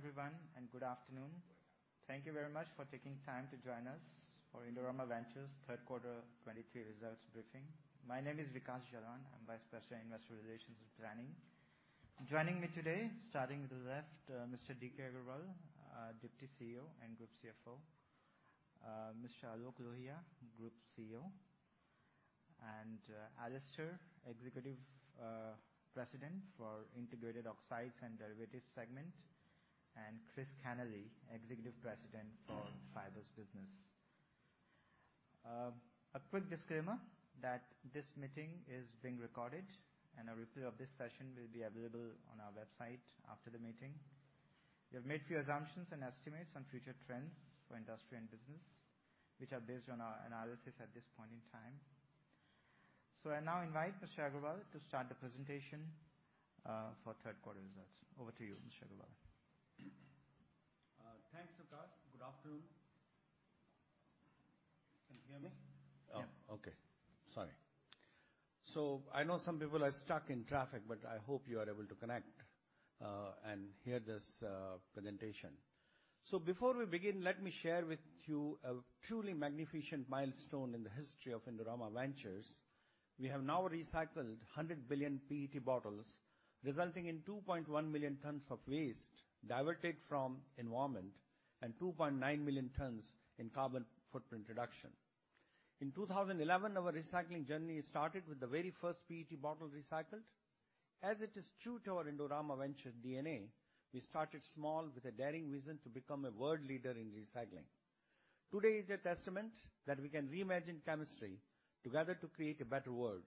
Welcome everyone, and good afternoon. Thank you very much for taking time to join us for Indorama Ventures' third quarter 2023 results briefing. My name is Vikash Jalan. I'm Vice President, Investor Relations and Planning. Joining me today, starting with the left, Mr. D.K. Agarwal, Deputy CEO and Group CFO, Mr. Aloke Lohia, Group CEO, and, Alastair, Executive President for Integrated Oxides and Derivatives segment, and Christopher Kenneally, Executive President for Fibers business. A quick disclaimer that this meeting is being recorded, and a replay of this session will be available on our website after the meeting. We have made few assumptions and estimates on future trends for industry and business, which are based on our analysis at this point in time. I now invite Mr. Agarwal to start the presentation, for third quarter results. Over to you, Mr. Agarwal. Thanks, Vikash. Good afternoon. Can you hear me? Yeah. Oh, okay. Sorry. So I know some people are stuck in traffic, but I hope you are able to connect and hear this presentation. So before we begin, let me share with you a truly magnificent milestone in the history of Indorama Ventures. We have now recycled 100 billion PET bottles, resulting in 2.1 million tons of waste diverted from the environment and 2.9 million tons in carbon footprint reduction. In 2011, our recycling journey started with the very first PET bottle recycled. As it is true to our Indorama Ventures DNA, we started small with a daring vision to become a world leader in recycling. Today is a testament that we can reimagine chemistry together to create a better world.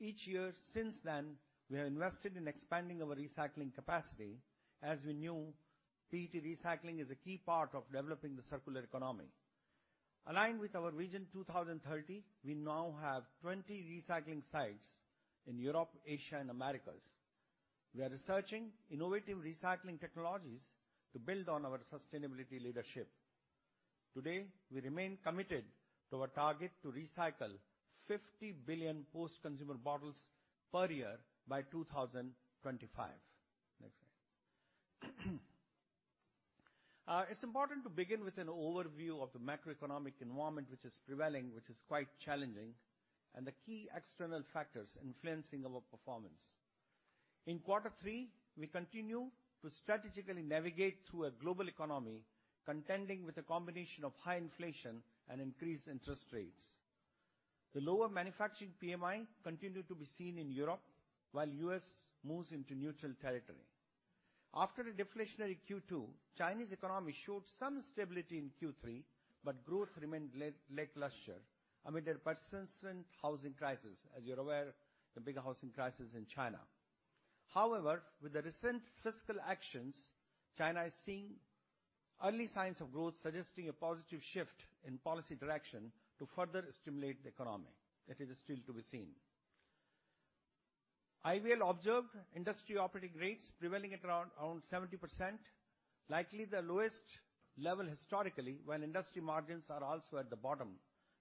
Each year since then, we have invested in expanding our recycling capacity, as we knew PET recycling is a key part of developing the circular economy. Aligned with our Vision 2030, we now have 20 recycling sites in Europe, Asia and Americas. We are researching innovative recycling technologies to build on our sustainability leadership. Today, we remain committed to our target to recycle 50 billion post-consumer bottles per year by 2025. Next slide. It's important to begin with an overview of the macroeconomic environment, which is prevailing, which is quite challenging, and the key external factors influencing our performance. In quarter three, we continue to strategically navigate through a global economy, contending with a combination of high inflation and increased interest rates. The lower manufacturing PMI continued to be seen in Europe, while U.S. moves into neutral territory. After a deflationary Q2, Chinese economy showed some stability in Q3, but growth remained lackluster amid a persistent housing crisis, as you're aware, the bigger housing crisis in China. However, with the recent fiscal actions, China is seeing early signs of growth, suggesting a positive shift in policy direction to further stimulate the economy. That is still to be seen. IVL observed industry operating rates prevailing at around 70%, likely the lowest level historically, while industry margins are also at the bottom.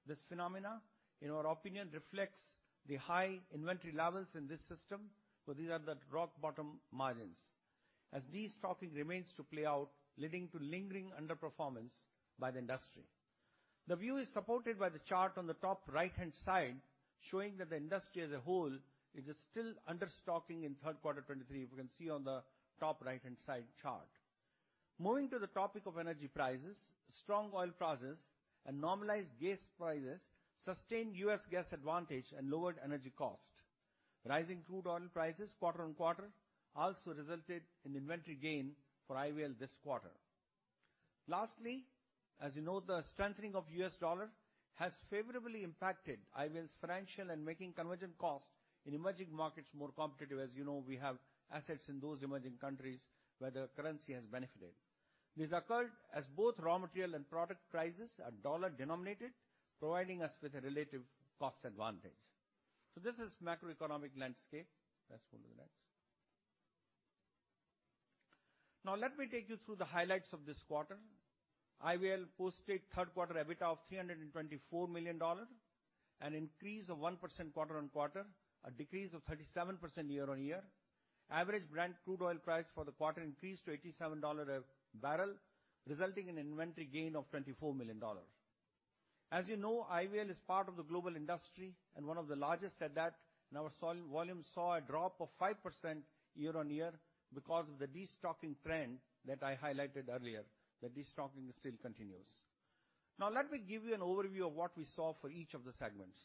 This phenomena, in our opinion, reflects the high inventory levels in this system, so these are the rock bottom margins. As destocking remains to play out, leading to lingering underperformance by the industry. The view is supported by the chart on the top right-hand side, showing that the industry as a whole is still understocking in third quarter 2023, if you can see on the top right-hand side chart. Moving to the topic of energy prices, strong oil prices and normalized gas prices sustained U.S. gas advantage and lowered energy cost. Rising crude oil prices quarter-over-quarter also resulted in inventory gain for IVL this quarter. Lastly, as you know, the strengthening of U.S. dollar has favorably impacted IVL's financial and making conversion costs in emerging markets more competitive. As you know, we have assets in those emerging countries where the currency has benefited. This occurred as both raw material and product prices are dollar-denominated, providing us with a relative cost advantage. So this is macroeconomic landscape. Let's go to the next. Now, let me take you through the highlights of this quarter. IVL posted third quarter EBITDA of $324 million, an increase of 1% quarter on quarter, a decrease of 37% year on year. Average Brent crude oil price for the quarter increased to $87 a barrel, resulting in inventory gain of $24 million. As you know, IVL is part of the global industry and one of the largest at that, and our sales volume saw a drop of 5% year on year because of the destocking trend that I highlighted earlier. The destocking still continues. Now, let me give you an overview of what we saw for each of the segments.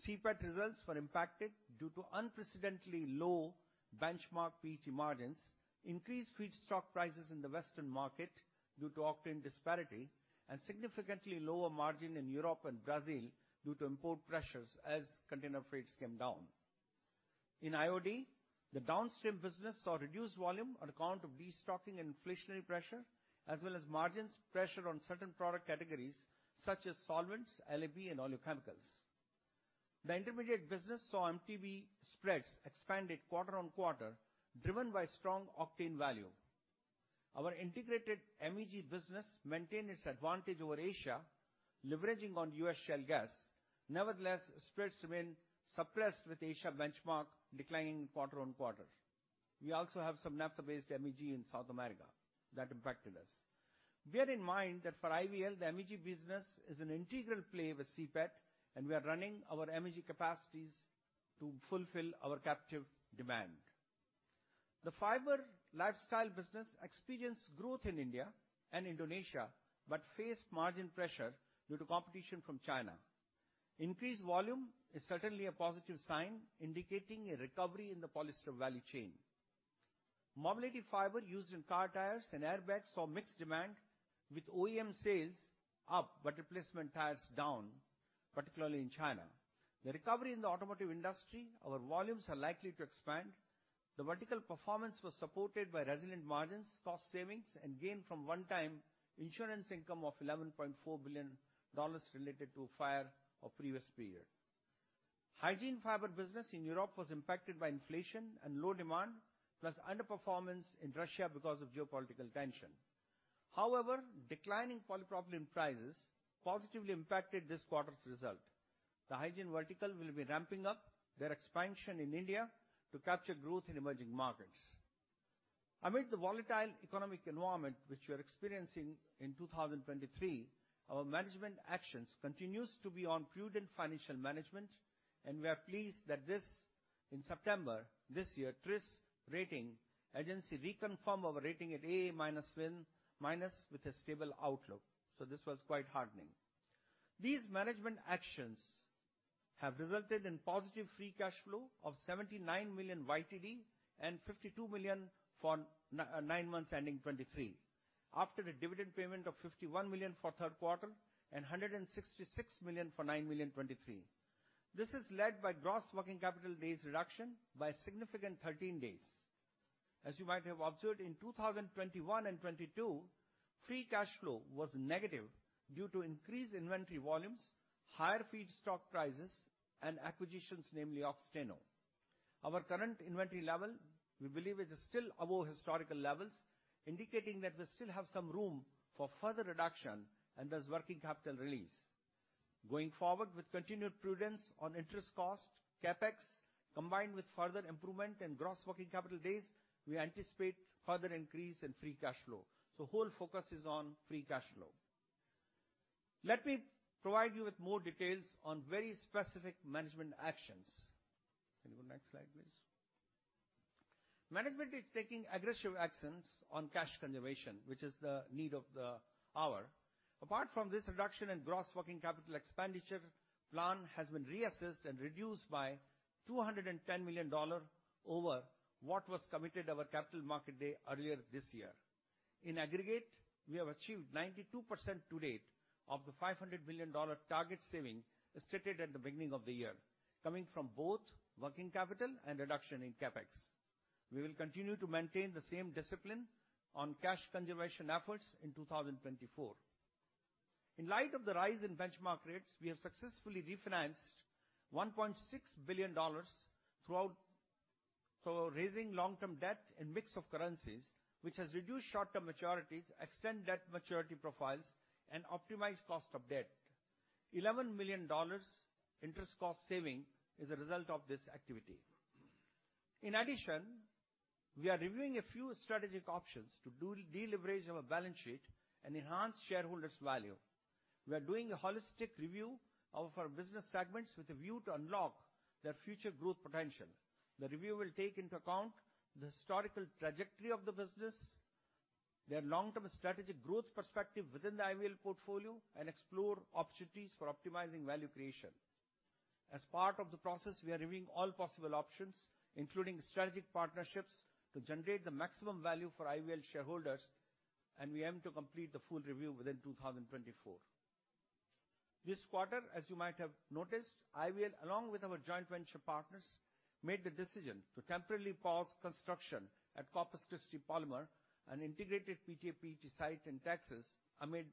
CPET results were impacted due to unprecedentedly low benchmark PET margins, increased feedstock prices in the Western market due to octane disparity, and significantly lower margin in Europe and Brazil due to import pressures as container rates came down. In IOD, the downstream business saw reduced volume on account of destocking and inflationary pressure, as well as margins pressure on certain product categories, such as solvents, LAB and oleochemicals. The intermediate business saw MTBE spreads expanded quarter-on-quarter, driven by strong octane value. Our integrated MEG business maintained its advantage over Asia, leveraging on U.S. shale gas. Nevertheless, spreads remain suppressed, with Asia benchmark declining quarter-on-quarter. We also have some naphtha-based MEG in South America that impacted us. Bear in mind that for IVL, the MEG business is an integral play with CPET, and we are running our MEG capacities to fulfill our captive demand. The fiber lifestyle business experienced growth in India and Indonesia, but faced margin pressure due to competition from China. Increased volume is certainly a positive sign, indicating a recovery in the polyester value chain. Mobility fiber used in car tires and airbags saw mixed demand, with OEM sales up but replacement tires down, particularly in China. The recovery in the automotive industry. Our volumes are likely to expand. The vertical performance was supported by resilient margins, cost savings, and gain from one-time insurance income of $11.4 billion related to a fire of previous period. Hygiene fiber business in Europe was impacted by inflation and low demand, plus underperformance in Russia because of geopolitical tension. However, declining polypropylene prices positively impacted this quarter's result. The hygiene vertical will be ramping up their expansion in India to capture growth in emerging markets. Amid the volatile economic environment which we are experiencing in 2023, our management actions continues to be on prudent financial management, and we are pleased that this, in September this year, TRIS Rating Agency reconfirmed our rating at AA- with a stable outlook, so this was quite heartening. These management actions have resulted in positive free cash flow of $79 million YTD, and $52 million for nine months ending 2023, after a dividend payment of $51 million for third quarter and $166 million for nine months 2023. This is led by gross working capital days reduction by a significant 13 days. As you might have observed, in 2021 and 2022, free cash flow was negative due to increased inventory volumes, higher feedstock prices, and acquisitions, namely Oxiteno. Our current inventory level, we believe, is still above historical levels, indicating that we still have some room for further reduction and thus working capital release. Going forward, with continued prudence on interest cost, CapEx, combined with further improvement in gross working capital days, we anticipate further increase in free cash flow. So whole focus is on free cash flow. Let me provide you with more details on very specific management actions. Can you go next slide, please? Management is taking aggressive actions on cash conservation, which is the need of the hour. Apart from this reduction in gross working capital, expenditure plan has been reassessed and reduced by $210 million over what was committed our Capital Market Day earlier this year. In aggregate, we have achieved 92% to date of the $500 billion target saving stated at the beginning of the year, coming from both working capital and reduction in CapEx. We will continue to maintain the same discipline on cash conservation efforts in 2024. In light of the rise in benchmark rates, we have successfully refinanced $1.6 billion through raising long-term debt and mix of currencies, which has reduced short-term maturities, extend debt maturity profiles, and optimized cost of debt. $11 million interest cost saving is a result of this activity. In addition, we are reviewing a few strategic options to deleverage our balance sheet and enhance shareholders' value. We are doing a holistic review of our business segments with a view to unlock their future growth potential. The review will take into account the historical trajectory of the business, their long-term strategic growth perspective within the IVL portfolio, and explore opportunities for optimizing value creation. As part of the process, we are reviewing all possible options, including strategic partnerships, to generate the maximum value for IVL shareholders, and we aim to complete the full review within 2024. This quarter, as you might have noticed, IVL, along with our joint venture partners, made the decision to temporarily pause construction at Corpus Christi Polymers, an integrated PTA, PET site in Texas, amid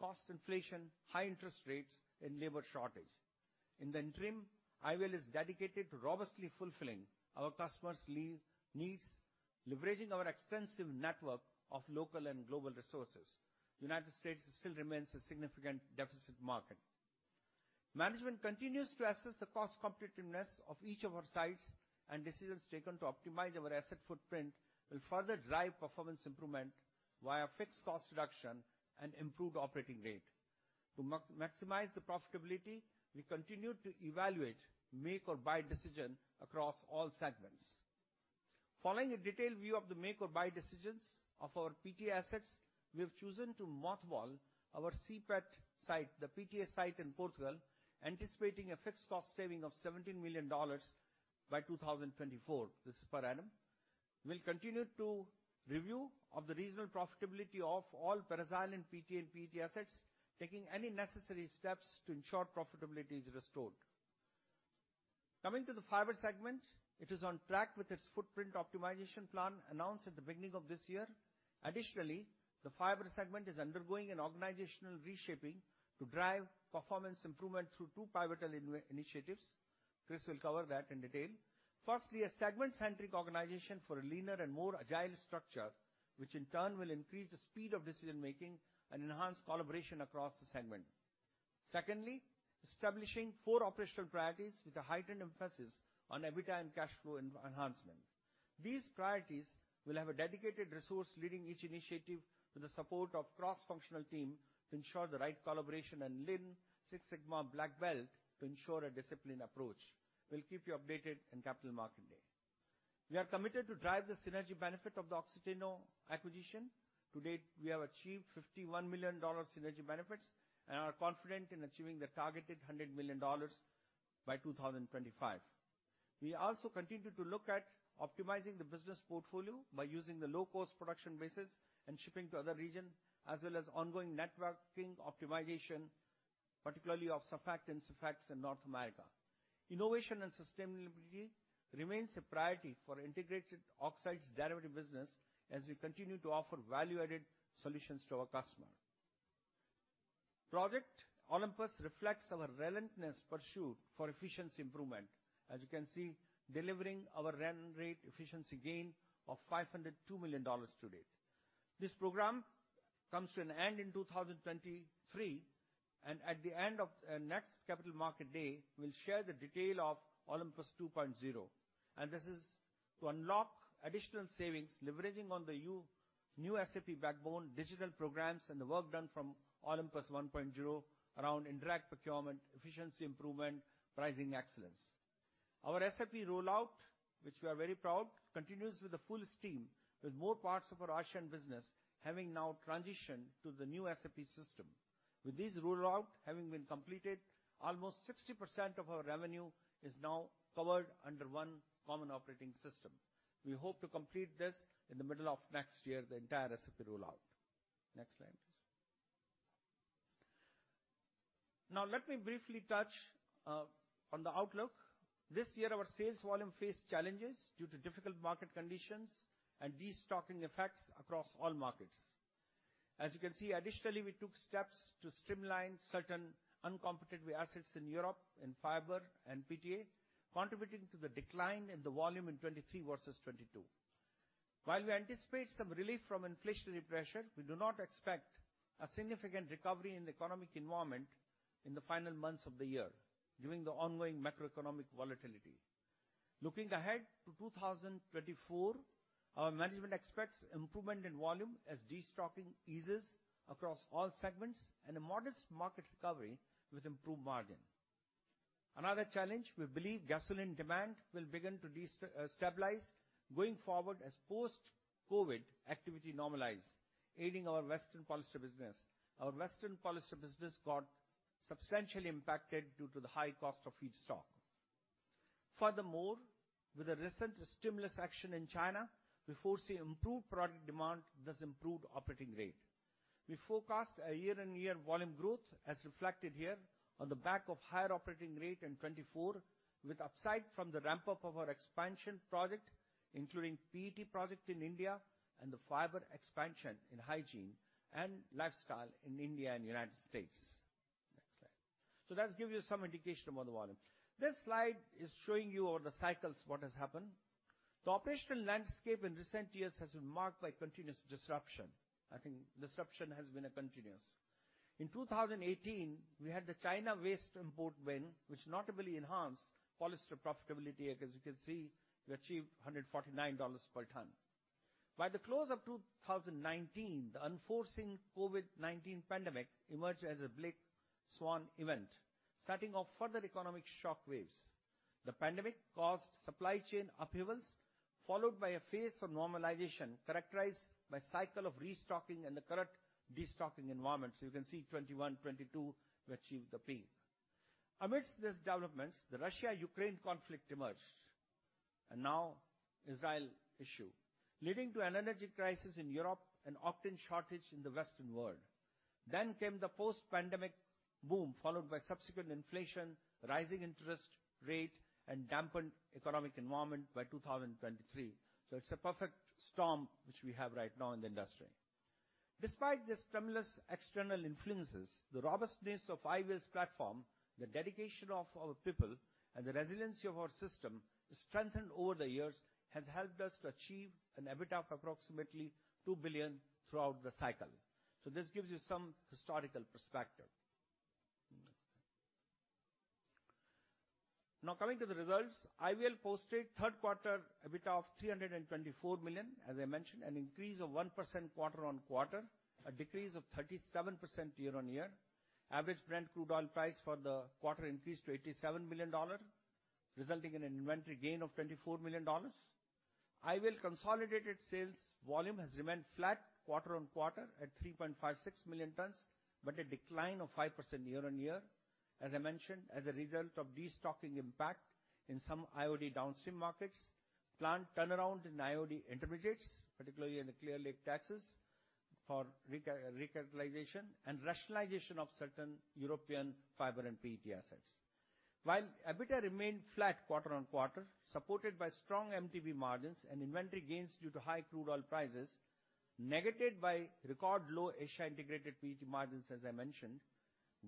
cost inflation, high interest rates, and labor shortage. In the interim, IVL is dedicated to robustly fulfilling our customers' PET needs, leveraging our extensive network of local and global resources. United States still remains a significant deficit market. Management continues to assess the cost competitiveness of each of our sites, and decisions taken to optimize our asset footprint will further drive performance improvement via fixed cost reduction and improved operating rate. To maximize the profitability, we continue to evaluate make or buy decision across all segments. Following a detailed view of the make or buy decisions of our PTA assets, we have chosen to mothball our CPET site, the PTA site in Portugal, anticipating a fixed cost saving of $17 million by 2024. This is per annum. We'll continue to review of the regional profitability of all Brazil and PTA and PET assets, taking any necessary steps to ensure profitability is restored. Coming to the fiber segment, it is on track with its footprint optimization plan announced at the beginning of this year. Additionally, the fiber segment is undergoing an organizational reshaping to drive performance improvement through two pivotal initiatives. Chris will cover that in detail. Firstly, a segment-centric organization for a leaner and more agile structure, which in turn will increase the speed of decision-making and enhance collaboration across the segment. Secondly, establishing four operational priorities with a heightened emphasis on EBITDA and cash flow enhancement. These priorities will have a dedicated resource leading each initiative with the support of cross-functional team to ensure the right collaboration and Lean Six Sigma Black Belt to ensure a disciplined approach. We'll keep you updated in Capital Market Day. We are committed to drive the synergy benefit of the Oxiteno acquisition. To date, we have achieved $51 million synergy benefits, and are confident in achieving the targeted $100 million by 2025. We also continue to look at optimizing the business portfolio by using the low-cost production bases and shipping to other region, as well as ongoing networking optimization, particularly of surfactants assets in North America. Innovation and sustainability remains a priority for Integrated Oxides and Derivatives business, as we continue to offer value-added solutions to our customer. Project Olympus reflects our relentless pursuit for efficiency improvement, as you can see, delivering our run rate efficiency gain of $502 million to date. This program comes to an end in 2023, and at the end of next Capital Market Day, we'll share the detail of Olympus 2.0. And this is to unlock additional savings, leveraging on the new SAP backbone, digital programs, and the work done from Olympus 1.0 around indirect procurement, efficiency improvement, pricing excellence. Our SAP rollout, which we are very proud, continues with the full steam, with more parts of our Asian business having now transitioned to the new SAP system. With this rollout having been completed, almost 60% of our revenue is now covered under one common operating system. We hope to complete this in the middle of next year, the entire SAP rollout. Next slide, please. Now, let me briefly touch on the outlook. This year, our sales volume faced challenges due to difficult market conditions and destocking effects across all markets. As you can see, additionally, we took steps to streamline certain uncompetitive assets in Europe, in fiber and PTA, contributing to the decline in the volume in 2023 versus 2022. While we anticipate some relief from inflationary pressure, we do not expect a significant recovery in the economic environment in the final months of the year, during the ongoing macroeconomic volatility. Looking ahead to 2024, our management expects improvement in volume as destocking eases across all segments and a modest market recovery with improved margin. Another challenge, we believe gasoline demand will begin to stabilize going forward as post-COVID activity normalize, aiding our Western polyester business. Our Western polyester business got substantially impacted due to the high cost of feedstock. Furthermore, with the recent stimulus action in China, we foresee improved product demand, thus improved operating rate. We forecast a year-on-year volume growth, as reflected here on the back of higher operating rate in 2024, with upside from the ramp-up of our expansion project, including PET project in India, and the fiber expansion in hygiene and lifestyle in India and United States. Next slide. So that gives you some indication about the volume. This slide is showing you over the cycles, what has happened. The operational landscape in recent years has been marked by continuous disruption. I think disruption has been a continuous. In 2018, we had the China waste import ban, which notably enhanced polyester profitability. As you can see, we achieved $149 per ton. By the close of 2019, the unforeseen COVID-19 pandemic emerged as a black swan event, setting off further economic shock waves. The pandemic caused supply chain upheavals, followed by a phase of normalization characterized by cycle of restocking and the current destocking environment. So you can see 2021, 2022, we achieved the peak. Amidst these developments, the Russia-Ukraine conflict emerged, and now Israel issue, leading to an energy crisis in Europe and octane shortage in the Western world. Then came the post-pandemic boom, followed by subsequent inflation, rising interest rate, and dampened economic environment by 2023. So it's a perfect storm, which we have right now in the industry. Despite the stimulus external influences, the robustness of IVL's platform, the dedication of our people, and the resiliency of our system strengthened over the years, has helped us to achieve an EBITDA of approximately $2 billion throughout the cycle. So this gives you some historical perspective. Next slide. Now, coming to the results, IVL posted third quarter EBITDA of $324 million, as I mentioned, an increase of 1% quarter-on-quarter, a decrease of 37% year-on-year. Average Brent crude oil price for the quarter increased to $87, resulting in an inventory gain of $24 million. IVL consolidated sales volume has remained flat quarter-on-quarter at 3.56 million tons, but a decline of 5% year-on-year. As I mentioned, as a result of destocking impact in some IOD downstream markets, plant turnaround in IOD intermediates, particularly in the Clear Lake, Texas for recatalyzation, and rationalization of certain European fiber and PET assets. While EBITDA remained flat quarter-on-quarter, supported by strong MTBE margins and inventory gains due to high crude oil prices, negated by record low Asia integrated PET margins, as I mentioned,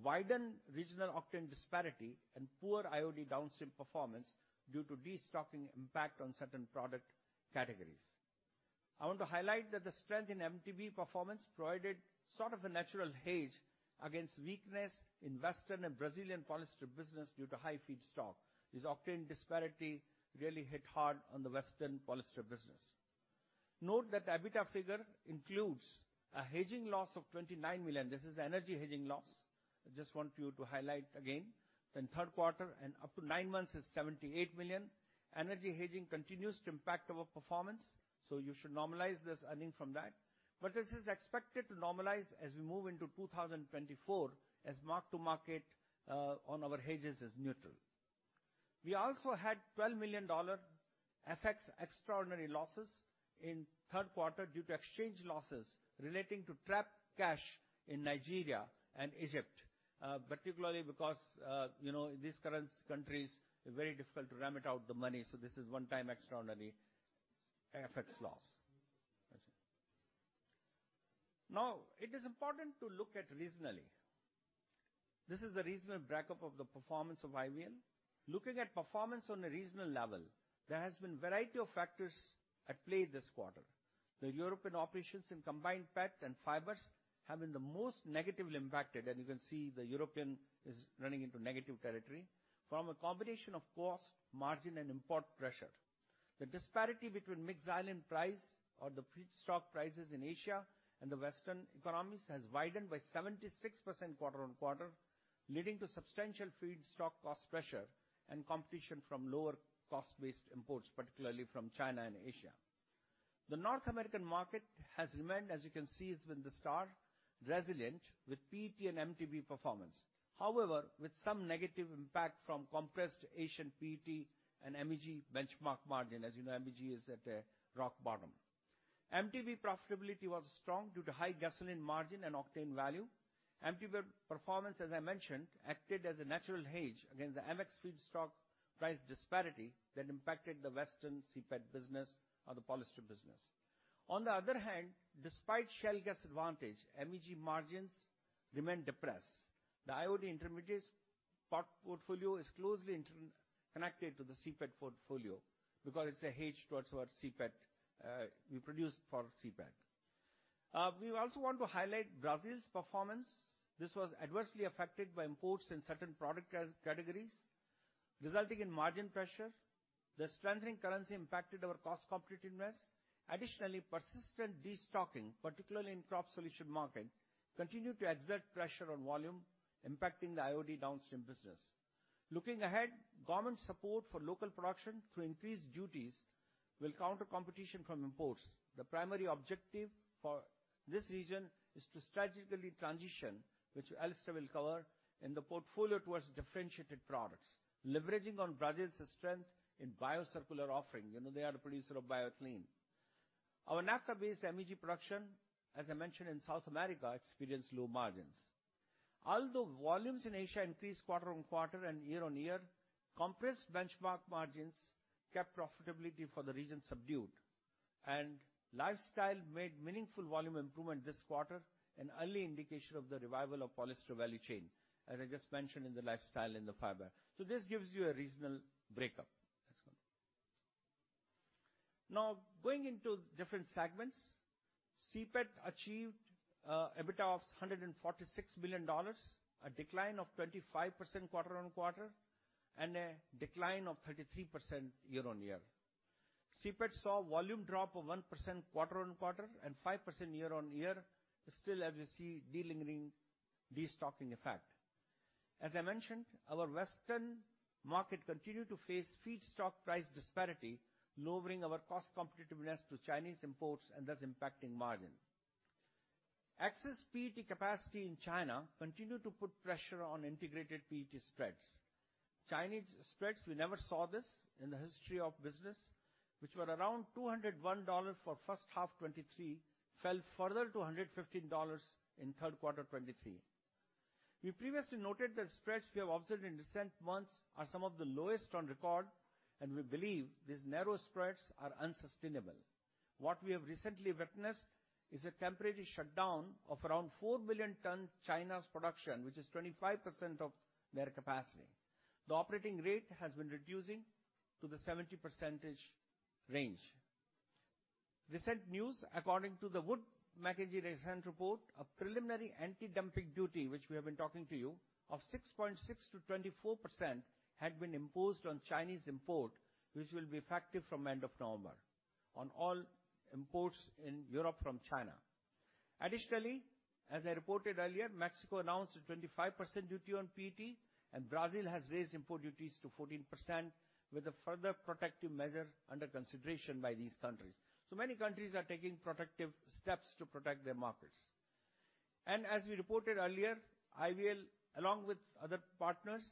widened regional octane disparity and poor IOD downstream performance due to destocking impact on certain product categories. I want to highlight that the strength in MTBE performance provided sort of a natural hedge against weakness in Western and Brazilian polyester business due to high feedstock. This octane disparity really hit hard on the Western polyester business. Note that the EBITDA figure includes a hedging loss of $29 million. This is the energy hedging loss. I just want you to highlight again, then third quarter and up to nine months is $78 million. Energy hedging continues to impact our performance, so you should normalize this earning from that. But this is expected to normalize as we move into 2024, as mark to market on our hedges is neutral. We also had $12 million FX extraordinary losses in third quarter due to exchange losses relating to trapped cash in Nigeria and Egypt, particularly because, you know, these two countries are very difficult to remit out the money, so this is one-time, extraordinary FX loss. Now, it is important to look at regionally. This is the regional breakup of the performance of IVL. Looking at performance on a regional level, there has been a variety of factors at play this quarter. The European operations in combined PET and fibers have been the most negatively impacted, and you can see Europe is running into negative territory, from a combination of cost, margin, and import pressure. The disparity between mixed xylene price or the feedstock prices in Asia and the Western economies has widened by 76% quarter-on-quarter, leading to substantial feedstock cost pressure and competition from lower cost-based imports, particularly from China and Asia. The North American market has remained, as you can see, it's been the star, resilient with PET and MTBE performance. However, with some negative impact from compressed Asian PET and MEG benchmark margin. As you know, MEG is at a rock bottom. MTBE profitability was strong due to high gasoline margin and octane value. MTBE performance, as I mentioned, acted as a natural hedge against the MX feedstock price disparity that impacted the Western CPET business or the polyester business. On the other hand, despite shale gas advantage, MEG margins remain depressed. The IOD intermediates product portfolio is closely interconnected to the CPET portfolio because it's a hedge towards our CPET, we produce for CPET. We also want to highlight Brazil's performance. This was adversely affected by imports in certain product categories, resulting in margin pressure. The strengthening currency impacted our cost competitiveness. Additionally, persistent destocking, particularly in crop solution market, continued to exert pressure on volume, impacting the IOD downstream business. Looking ahead, government support for local production through increased duties will counter competition from imports. The primary objective for this region is to strategically transition, which Alastair will cover, in the portfolio towards differentiated products, leveraging on Brazil's strength in biocircular offering. You know, they are a producer of Bioclean. Our Naphtha-based MEG production, as I mentioned in South America, experienced low margins. Although volumes in Asia increased quarter-on-quarter and year-on-year, compressed benchmark margins kept profitability for the region subdued, and lifestyle made meaningful volume improvement this quarter, an early indication of the revival of polyester value chain, as I just mentioned in the lifestyle and the fiber. So this gives you a regional breakup. Next one. Now, going into different segments. CPET achieved EBITDA of $146 billion, a decline of 25% quarter-on-quarter, and a decline of 33% year-on-year. CPET saw volume drop of 1% quarter-on-quarter and 5% year-on-year, still as we see lingering destocking effect. As I mentioned, our Western market continued to face feedstock price disparity, lowering our cost competitiveness to Chinese imports and thus impacting margin. Excess PET capacity in China continued to put pressure on integrated PET spreads. Chinese spreads, we never saw this in the history of business, which were around $201 for first half 2023, fell further to $115 in third quarter 2023. We previously noted that spreads we have observed in recent months are some of the lowest on record, and we believe these narrow spreads are unsustainable. What we have recently witnessed is a temporary shutdown of around 4 million tons of China's production, which is 25% of their capacity. The operating rate has been reducing to the 70% range. Recent news, according to the Wood Mackenzie recent report, a preliminary anti-dumping duty, which we have been talking to you, of 6.6%-24%, had been imposed on Chinese imports, which will be effective from end of November, on all imports in Europe from China. Additionally, as I reported earlier, Mexico announced a 25% duty on PET, and Brazil has raised import duties to 14%, with a further protective measure under consideration by these countries. So many countries are taking protective steps to protect their markets. And as we reported earlier, IVL, along with other partners,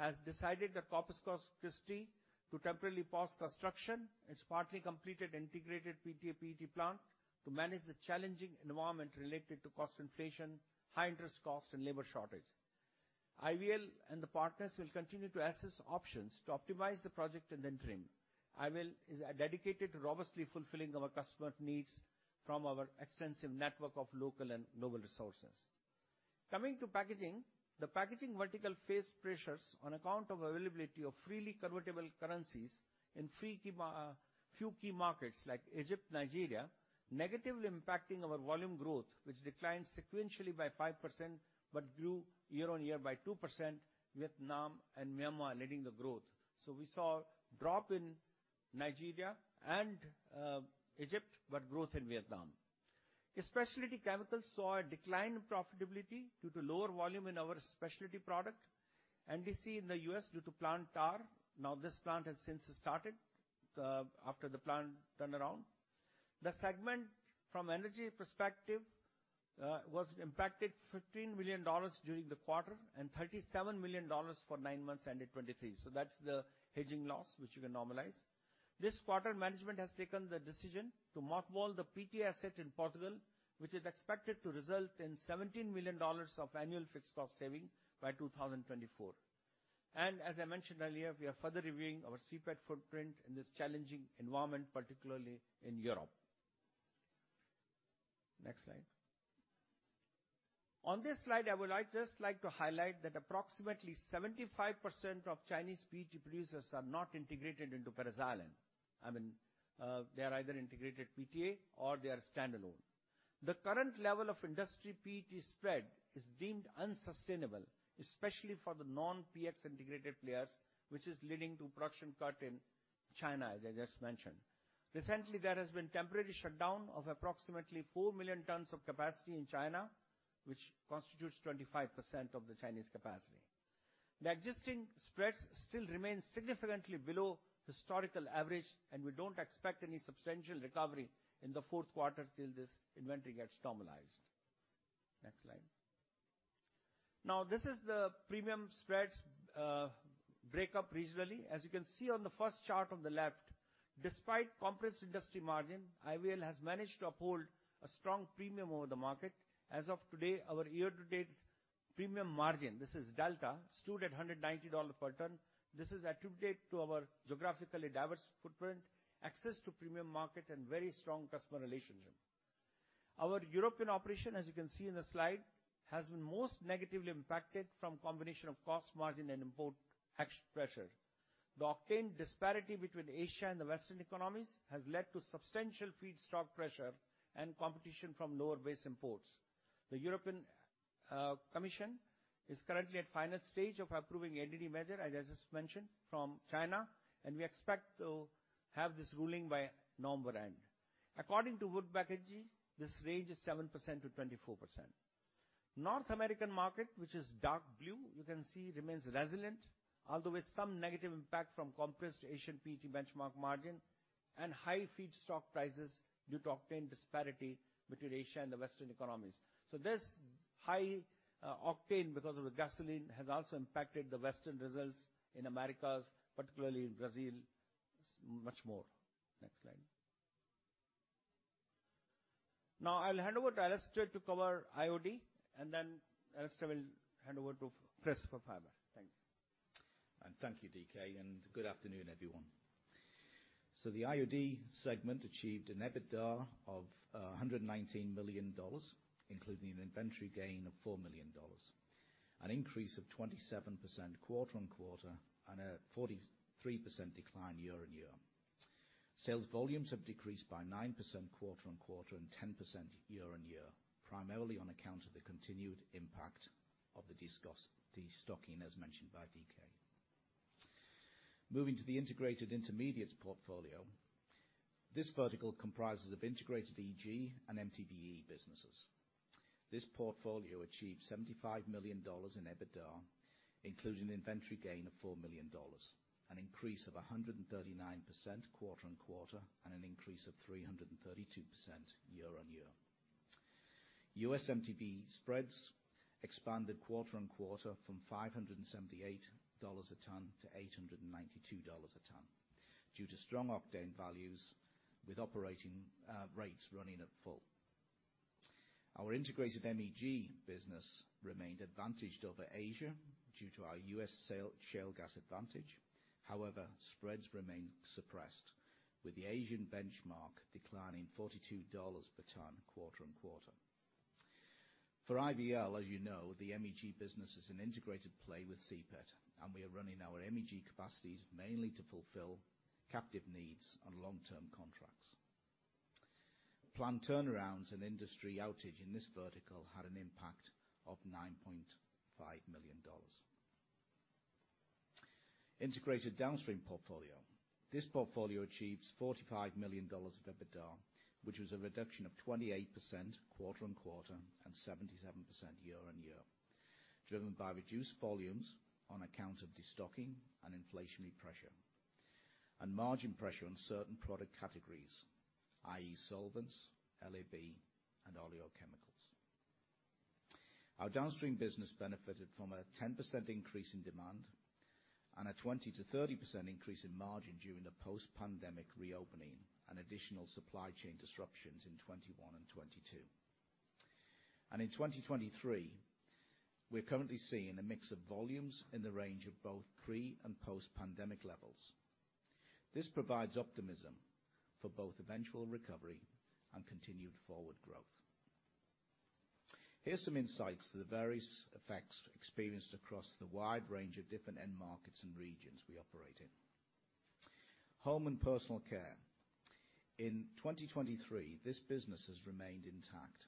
has decided at Corpus Christi to temporarily pause construction. It's partly completed integrated PTA PET plant to manage the challenging environment related to cost inflation, high interest costs, and labor shortage. IVL and the partners will continue to assess options to optimize the project and then train. IVL is dedicated to robustly fulfilling our customer needs from our extensive network of local and global resources. Coming to packaging, the packaging vertical faced pressures on account of availability of freely convertible currencies in few key markets like Egypt, Nigeria, negatively impacting our volume growth, which declined sequentially by 5%, but grew year-on-year by 2%, Vietnam and Myanmar leading the growth. So we saw a drop in Nigeria and, Egypt, but growth in Vietnam. Specialty chemicals saw a decline in profitability due to lower volume in our specialty product, and we saw in the U.S. due to plant turnaround. Now, this plant has since started, after the plant turnaround. The segment from energy perspective, was impacted $15 million during the quarter, and $37 million for nine months ended 2023. So that's the hedging loss, which you can normalize. This quarter, management has taken the decision to mothball the PTA asset in Portugal, which is expected to result in $17 million of annual fixed cost saving by 2024. As I mentioned earlier, we are further reviewing our CPET footprint in this challenging environment, particularly in Europe. Next slide. On this slide, I would like, just like to highlight that approximately 75% of Chinese PET producers are not integrated into paraxylene. I mean, they are either integrated PTA or they are standalone. The current level of industry PET spread is deemed unsustainable, especially for the non-PX integrated players, which is leading to production cut in China, as I just mentioned. Recently, there has been temporary shutdown of approximately 4 million tons of capacity in China, which constitutes 25% of the Chinese capacity. The existing spreads still remain significantly below historical average, and we don't expect any substantial recovery in the fourth quarter till this inventory gets normalized. Next slide. Now, this is the premium spreads breakdown regionally. As you can see on the first chart on the left, despite compressed industry margin, IVL has managed to uphold a strong premium over the market. As of today, our year-to-date premium margin, this is delta, stood at $190 per ton. This is attributed to our geographically diverse footprint, access to premium market, and very strong customer relationship. Our European operation, as you can see in the slide, has been most negatively impacted from combination of cost margin and import tax pressure. The octane disparity between Asia and the Western economies has led to substantial feedstock pressure and competition from lower base imports. The European Commission is currently at final stage of approving anti-measure, as I just mentioned, from China, and we expect to have this ruling by November end. According to Wood Mackenzie, this range is 7%-24%. North American market, which is dark blue, you can see, remains resilient, although with some negative impact from compressed Asian PET benchmark margin and high feedstock prices due to octane disparity between Asia and the Western economies. So this high octane, because of the gasoline, has also impacted the Western results in Americas, particularly in Brazil, much more. Next slide. Now I'll hand over to Alastair to cover IOD, and then Alastair will hand over to Chris for fiber. Thank you. And thank you, D.K., and good afternoon, everyone. So the IOD segment achieved an EBITDA of $119 million, including an inventory gain of $4 million, an increase of 27% quarter-on-quarter and a 43% decline year-on-year. Sales volumes have decreased by 9% quarter-on-quarter and 10% year-on-year, primarily on account of the continued impact of the stocking, as mentioned by D.K. Moving to the integrated intermediates portfolio, this vertical comprises of integrated EG and MTBE businesses. This portfolio achieved $75 million in EBITDA, including an inventory gain of $4 million, an increase of 139% quarter-on-quarter, and an increase of 332% year-on-year. U.S. MTBE spreads expanded quarter-on-quarter from $578 a ton to $892 a ton due to strong octane values with operating rates running at full. Our integrated MEG business remained advantaged over Asia due to our U.S. shale gas advantage. However, spreads remained suppressed, with the Asian benchmark declining $42 per ton, quarter-on-quarter. For IVL, as you know, the MEG business is an integrated play with CPET, and we are running our MEG capacities mainly to fulfill captive needs on long-term contracts. Planned turnarounds and industry outage in this vertical had an impact of $9.5 million. Integrated downstream portfolio. This portfolio achieves $45 million of EBITDA, which was a reduction of 28% quarter-on-quarter and 77% year-on-year, driven by reduced volumes on account of destocking and inflationary pressure, and margin pressure on certain product categories, i.e., solvents, LAB and oleochemicals. Our downstream business benefited from a 10% increase in demand and a 20%-30% increase in margin during the post-pandemic reopening and additional supply chain disruptions in 2021 and 2022. In 2023, we're currently seeing a mix of volumes in the range of both pre- and post-pandemic levels. This provides optimism for both eventual recovery and continued forward growth. Here's some insights to the various effects experienced across the wide range of different end markets and regions we operate in. Home and personal care. In 2023, this business has remained intact,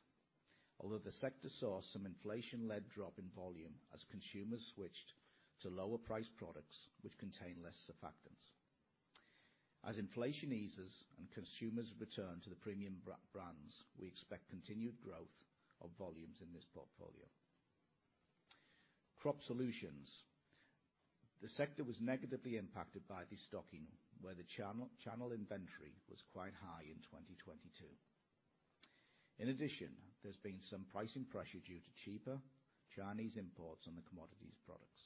although the sector saw some inflation-led drop in volume as consumers switched to lower priced products, which contain less surfactants. As inflation eases and consumers return to the premium brands, we expect continued growth of volumes in this portfolio. Crop solutions. The sector was negatively impacted by the stocking, where the channel inventory was quite high in 2022. In addition, there's been some pricing pressure due to cheaper Chinese imports on the commodities products.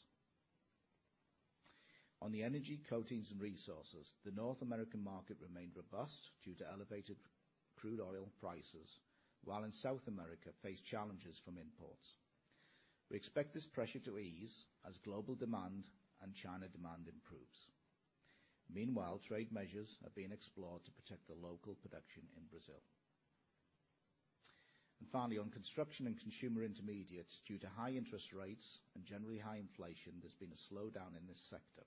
On the energy, coatings, and resources, the North American market remained robust due to elevated crude oil prices, while in South America faced challenges from imports. We expect this pressure to ease as global demand and China demand improves. Meanwhile, trade measures are being explored to protect the local production in Brazil. Finally, on construction and consumer intermediates, due to high interest rates and generally high inflation, there's been a slowdown in this sector,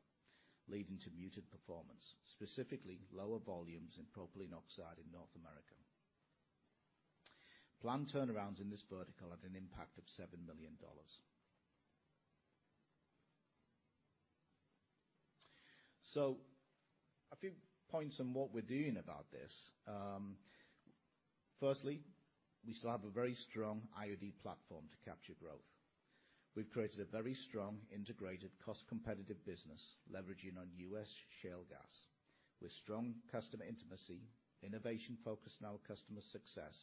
leading to muted performance, specifically lower volumes in propylene oxide in North America. Planned turnarounds in this vertical had an impact of $7 million. A few points on what we're doing about this. Firstly, we still have a very strong IOD platform to capture growth. We've created a very strong, integrated, cost-competitive business, leveraging on U.S. shale gas, with strong customer intimacy, innovation focused on our customer success,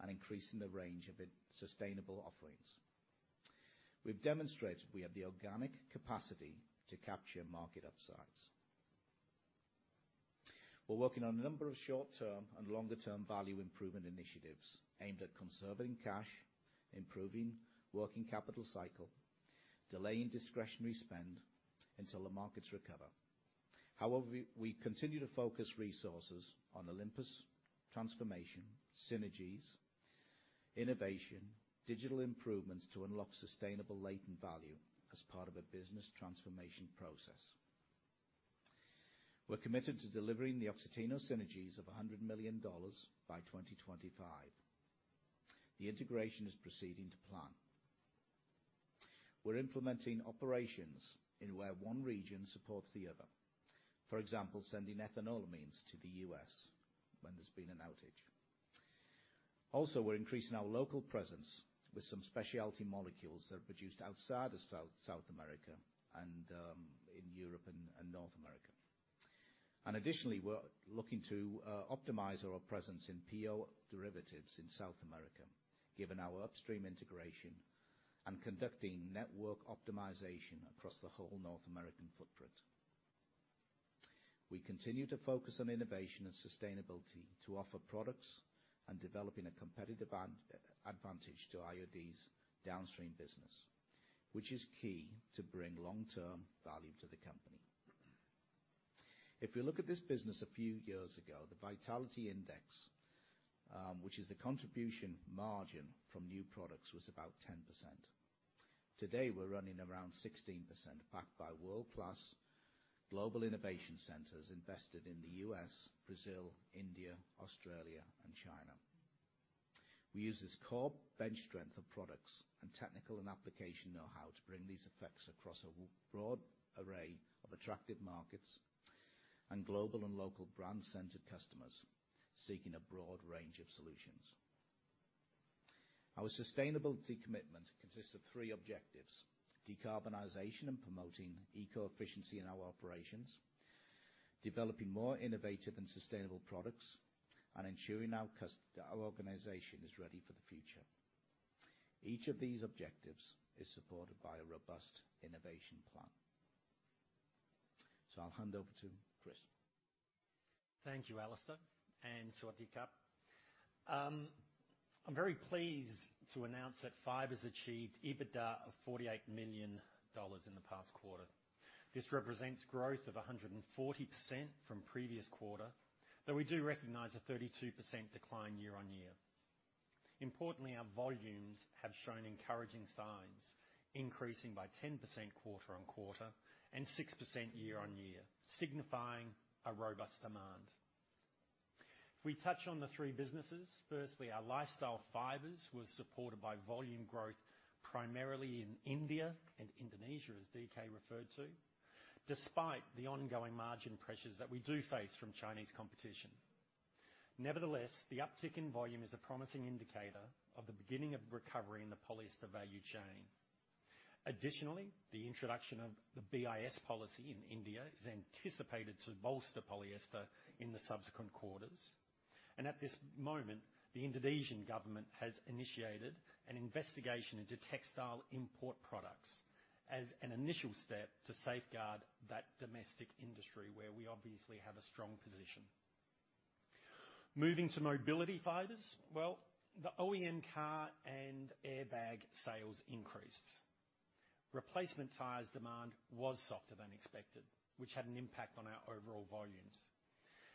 and increasing the range of its sustainable offerings. We've demonstrated we have the organic capacity to capture market upsides. We're working on a number of short-term and longer-term value improvement initiatives aimed at conserving cash, improving working capital cycle, delaying discretionary spend until the markets recover. However, we continue to focus resources on Olympus transformation, synergies, innovation, digital improvements to unlock sustainable latent value as part of a business transformation process. We're committed to delivering the Oxiteno synergies of $100 million by 2025. The integration is proceeding to plan. We're implementing operations in where one region supports the other. For example, sending ethanolamines to the U.S. when there's been an outage. Also, we're increasing our local presence with some specialty molecules that are produced outside of South America and in Europe and North America. Additionally, we're looking to optimize our presence in PO derivatives in South America, given our upstream integration and conducting network optimization across the whole North American footprint. We continue to focus on innovation and sustainability to offer products and developing a competitive advantage to IOD's downstream business, which is key to bring long-term value to the company. If you look at this business a few years ago, the Vitality Index, which is the contribution margin from new products, was about 10%. Today, we're running around 16%, backed by world-class global innovation centers invested in the U.S., Brazil, India, Australia, and China. We use this core bench strength of products and technical and application know-how to bring these effects across a broad array of attractive markets and global and local brand-centered customers seeking a broad range of solutions. Our sustainability commitment consists of three objectives: decarbonization and promoting eco-efficiency in our operations, developing more innovative and sustainable products, and ensuring our organization is ready for the future. Each of these objectives is supported by a robust innovation plan. So I'll hand over to Chris. Thank you, Alastair, and Dilip Kumar. I'm very pleased to announce that Fibers achieved EBITDA of $48 million in the past quarter. This represents growth of 140% from previous quarter, though we do recognize a 32% decline year-on-year. Importantly, our volumes have shown encouraging signs, increasing by 10% quarter-on-quarter and 6% year-on-year, signifying a robust demand. If we touch on the three businesses, firstly, our lifestyle fibers was supported by volume growth, primarily in India and Indonesia, as D.K. referred to, despite the ongoing margin pressures that we do face from Chinese competition. Nevertheless, the uptick in volume is a promising indicator of the beginning of recovery in the polyester value chain. Additionally, the introduction of the BIS policy in India is anticipated to bolster polyester in the subsequent quarters.... At this moment, the Indonesian government has initiated an investigation into textile import products as an initial step to safeguard that domestic industry, where we obviously have a strong position. Moving to Mobility Fibers, well, the OEM car and airbag sales increased. Replacement tires demand was softer than expected, which had an impact on our overall volumes.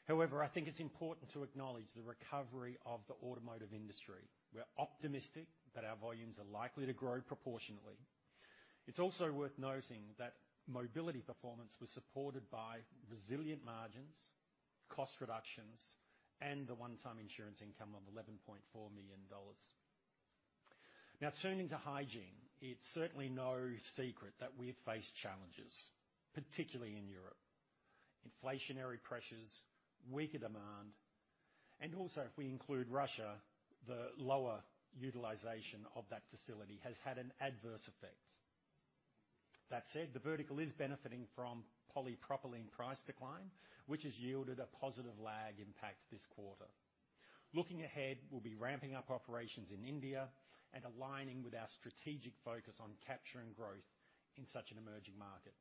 However, I think it's important to acknowledge the recovery of the automotive industry. We're optimistic that our volumes are likely to grow proportionately. It's also worth noting that mobility performance was supported by resilient margins, cost reductions, and the one-time insurance income of $11.4 million. Now, turning to Hygiene, it's certainly no secret that we have faced challenges, particularly in Europe. Inflationary pressures, weaker demand, and also, if we include Russia, the lower utilization of that facility has had an adverse effect. That said, the vertical is benefiting from polypropylene price decline, which has yielded a positive lag impact this quarter. Looking ahead, we'll be ramping up operations in India and aligning with our strategic focus on capturing growth in such an emerging market.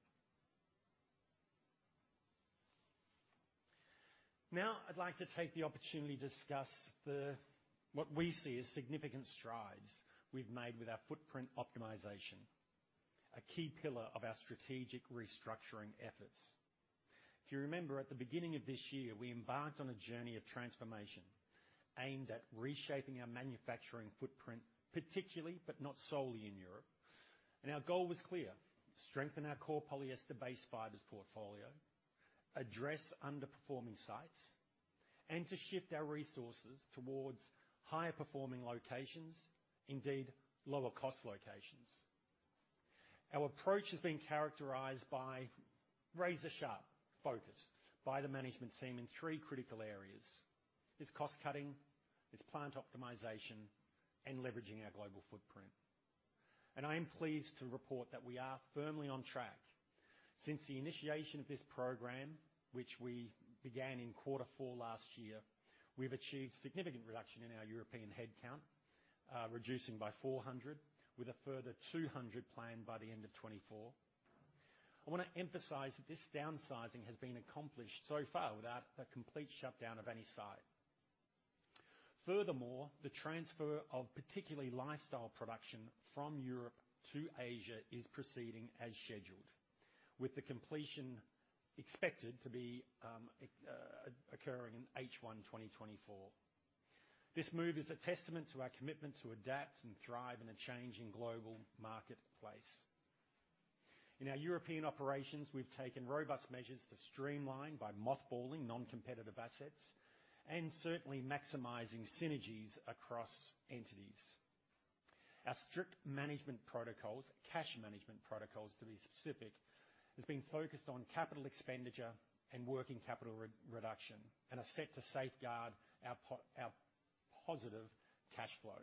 Now, I'd like to take the opportunity to discuss the, what we see as significant strides we've made with our footprint optimization, a key pillar of our strategic restructuring efforts. If you remember, at the beginning of this year, we embarked on a journey of transformation aimed at reshaping our manufacturing footprint, particularly, but not solely, in Europe. Our goal was clear: strengthen our core polyester-based fibers portfolio, address underperforming sites, and to shift our resources towards higher-performing locations, indeed, lower-cost locations. Our approach has been characterized by razor-sharp focus by the management team in three critical areas. It's cost-cutting, it's plant optimization, and leveraging our global footprint. I am pleased to report that we are firmly on track. Since the initiation of this program, which we began in quarter four last year, we've achieved significant reduction in our European headcount, reducing by 400, with a further 200 planned by the end of 2024. I wanna emphasize that this downsizing has been accomplished so far without a complete shutdown of any site. Furthermore, the transfer of particularly lifestyle production from Europe to Asia is proceeding as scheduled, with the completion expected to be occurring in H1 2024. This move is a testament to our commitment to adapt and thrive in a changing global marketplace. In our European operations, we've taken robust measures to streamline by mothballing non-competitive assets and certainly maximizing synergies across entities. Our strict management protocols, cash management protocols, to be specific, has been focused on capital expenditure and working capital re-reduction and are set to safeguard our our positive cash flow.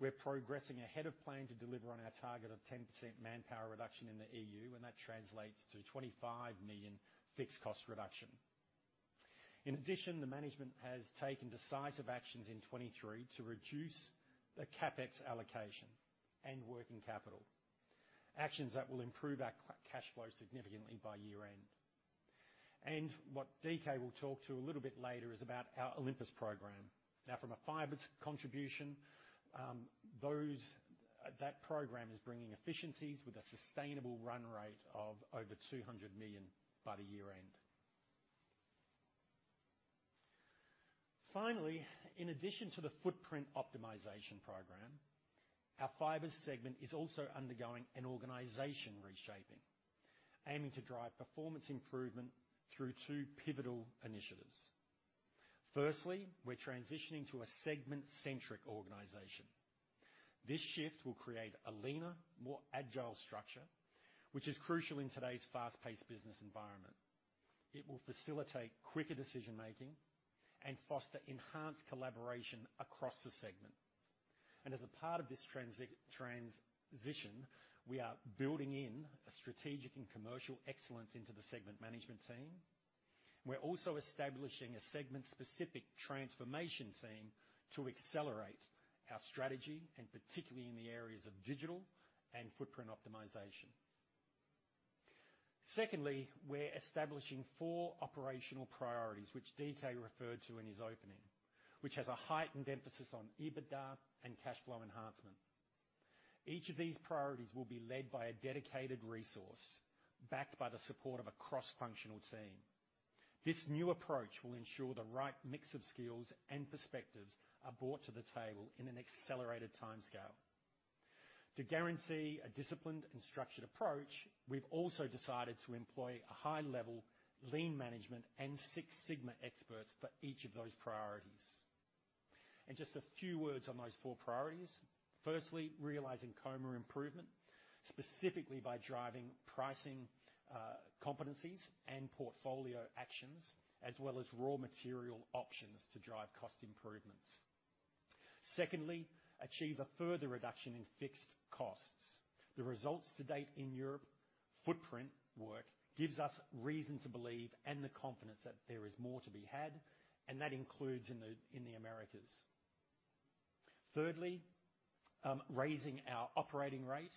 We're progressing ahead of plan to deliver on our target of 10% manpower reduction in the EU, and that translates to $25 million fixed cost reduction. In addition, the management has taken decisive actions in 2023 to reduce the CapEx allocation and working capital, actions that will improve our cash flow significantly by year-end. And what D.K. will talk to a little bit later is about our Olympus program. Now, from a fibers contribution, that program is bringing efficiencies with a sustainable run rate of over $200 million by the year-end. Finally, in addition to the footprint optimization program, our fibers segment is also undergoing an organization reshaping, aiming to drive performance improvement through two pivotal initiatives. Firstly, we're transitioning to a segment-centric organization. This shift will create a leaner, more agile structure, which is crucial in today's fast-paced business environment. It will facilitate quicker decision-making and foster enhanced collaboration across the segment. And as a part of this transition, we are building in a strategic and commercial excellence into the segment management team. We're also establishing a segment-specific transformation team to accelerate our strategy, and particularly in the areas of digital and footprint optimization. Secondly, we're establishing four operational priorities, which D.K. referred to in his opening, which has a heightened emphasis on EBITDA and cash flow enhancement. Each of these priorities will be led by a dedicated resource, backed by the support of a cross-functional team. This new approach will ensure the right mix of skills and perspectives are brought to the table in an accelerated timescale. To guarantee a disciplined and structured approach, we've also decided to employ a high-level lean management and Six Sigma experts for each of those priorities. Just a few words on those four priorities. Firstly, realizing Comar improvement, specifically by driving pricing, competencies and portfolio actions, as well as raw material options to drive cost improvements. Secondly, achieve a further reduction in fixed costs. The results to date in Europe footprint work gives us reason to believe and the confidence that there is more to be had, and that includes in the Americas. Thirdly, raising our operating rate,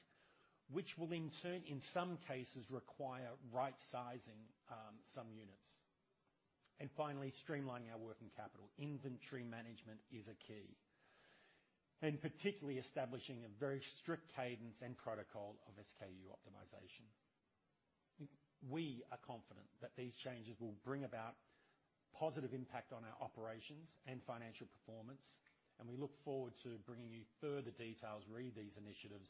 which will in turn, in some cases, require right sizing, some units. Finally, streamlining our working capital. Inventory management is a key, and particularly establishing a very strict cadence and protocol of SKU optimization. We are confident that these changes will bring about positive impact on our operations and financial performance, and we look forward to bringing you further details re: these initiatives,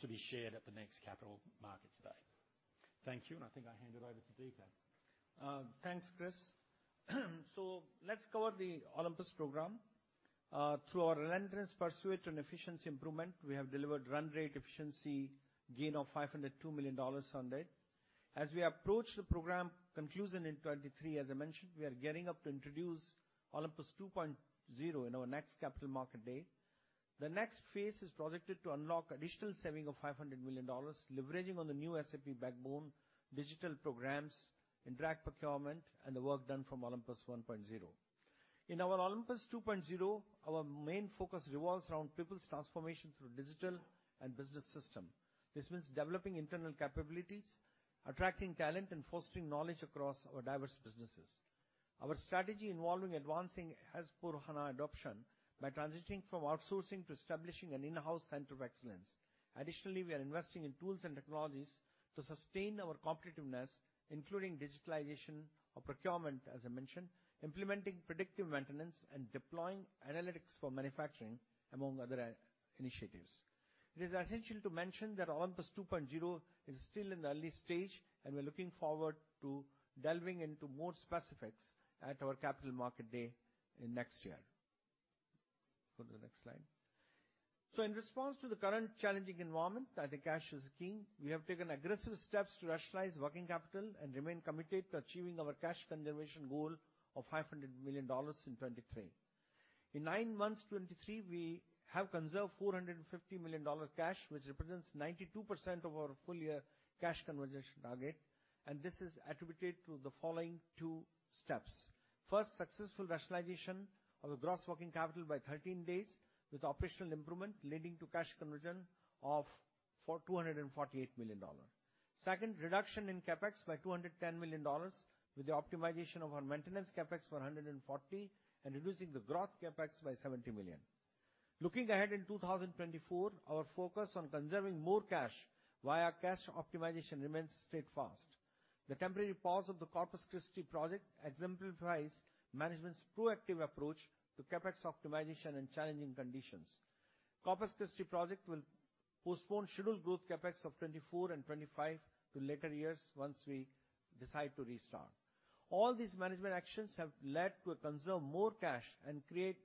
to be shared at the next Capital Markets Day. Thank you, and I think I hand it over to D.K. Thanks, Chris. So let's cover the Olympus program. Through our relentless pursuit on efficiency improvement, we have delivered run rate efficiency gain of $502 million on it. As we approach the program conclusion in 2023, as I mentioned, we are getting up to introduce Olympus 2.0 in our next Capital Market Day. The next phase is projected to unlock additional saving of $500 million, leveraging on the new SAP backbone, digital programs, indirect procurement, and the work done from Olympus 1.0. In our Olympus 2.0, our main focus revolves around people's transformation through digital and business system. This means developing internal capabilities, attracting talent, and fostering knowledge across our diverse businesses. Our strategy involving advancing S/4HANA adoption by transitioning from outsourcing to establishing an in-house center of excellence. Additionally, we are investing in tools and technologies to sustain our competitiveness, including digitalization of procurement, as I mentioned, implementing predictive maintenance, and deploying analytics for manufacturing, among other initiatives. It is essential to mention that Olympus 2.0 is still in the early stage, and we're looking forward to delving into more specifics at our Capital Market Day in next year. Go to the next slide. So in response to the current challenging environment, as the cash is king, we have taken aggressive steps to rationalize working capital and remain committed to achieving our cash conservation goal of $500 million in 2023. In 9 months 2023, we have conserved $450 million cash, which represents 92% of our full year cash conversion target, and this is attributed to the following two steps: First, successful rationalization of the gross working capital by 13 days, with operational improvement leading to cash conversion of $248 million. Second, reduction in CapEx by $210 million, with the optimization of our maintenance CapEx for $140, and reducing the growth CapEx by $70 million. Looking ahead in 2024, our focus on conserving more cash via cash optimization remains steadfast. The temporary pause of the Corpus Christi project exemplifies management's proactive approach to CapEx optimization in challenging conditions. Corpus Christi project will postpone scheduled growth CapEx of 2024 and 2025 to later years, once we decide to restart. All these management actions have led to conserve more cash and create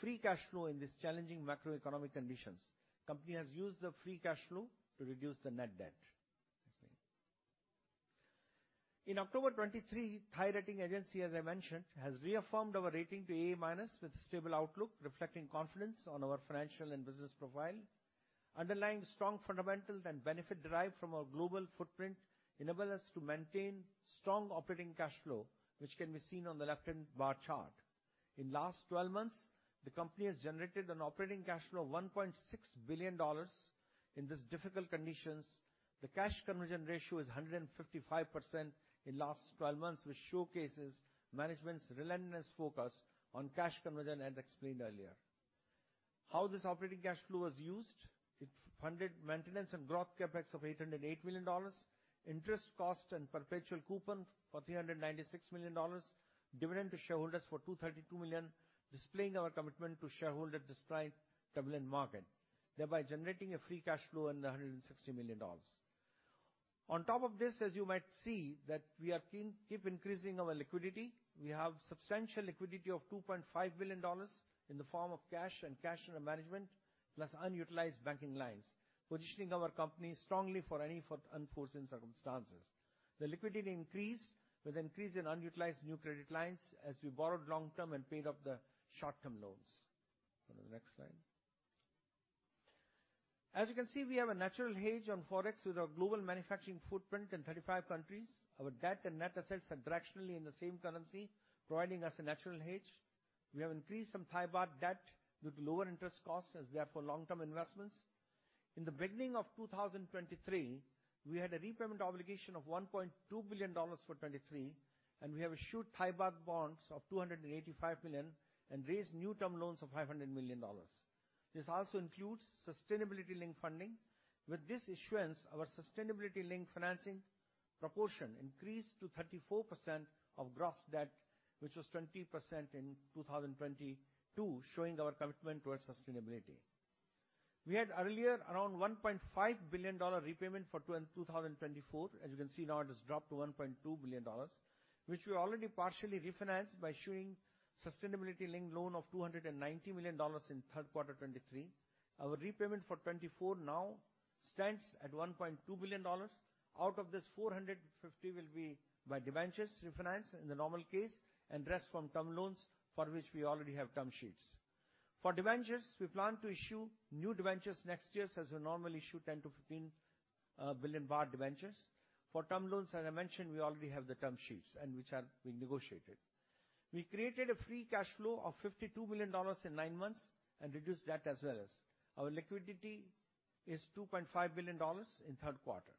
free cash flow in these challenging macroeconomic conditions. Company has used the free cash flow to reduce the net debt. In October 2023, Thai rating agency, as I mentioned, has reaffirmed our rating to AA- with a stable outlook, reflecting confidence on our financial and business profile. Underlying strong fundamentals and benefit derived from our global footprint enable us to maintain strong operating cash flow, which can be seen on the left-hand bar chart. In last twelve months, the company has generated an operating cash flow of $1.6 billion. In this difficult conditions, the cash conversion ratio is 155% in last twelve months, which showcases management's relentless focus on cash conversion, as explained earlier. How this operating cash flow was used? It funded maintenance and growth CapEx of $808 million, interest cost and perpetual coupon for $396 million, dividend to shareholders for $232 million, displaying our commitment to shareholder despite turbulent market, thereby generating a free cash flow of $160 million. On top of this, as you might see, that we are keep increasing our liquidity. We have substantial liquidity of $2.5 billion in the form of cash and cash in management, plus unutilized banking lines, positioning our company strongly for any unforeseen circumstances. The liquidity increased with increase in unutilized new credit lines as we borrowed long-term and paid up the short-term loans. Go to the next slide. As you can see, we have a natural hedge on Forex with our global manufacturing footprint in 35 countries. Our debt and net assets are directionally in the same currency, providing us a natural hedge. We have increased some Thai baht debt with lower interest costs as therefore long-term investments. In the beginning of 2023, we had a repayment obligation of $1.2 billion for 2023, and we have issued Thai baht bonds of 285 million and raised new term loans of $500 million. This also includes sustainability-linked funding. With this issuance, our sustainability-linked financing proportion increased to 34% of gross debt, which was 20% in 2022, showing our commitment towards sustainability. We had earlier around $1.5 billion repayment for 2024. As you can see now, it has dropped to $1.2 billion, which we already partially refinanced by issuing sustainability linked loan of $290 million in third quarter 2023. Our repayment for 2024 now stands at $1.2 billion. Out of this, $450 million will be by debentures refinance in the normal case, and rest from term loans, for which we already have term sheets. For debentures, we plan to issue new debentures next year, as we normally issue 10 billion-15 billion baht debentures. For term loans, as I mentioned, we already have the term sheets and which are being negotiated. We created a free cash flow of $52 billion in nine months and reduced debt as well as. Our liquidity is $2.5 billion in third quarter.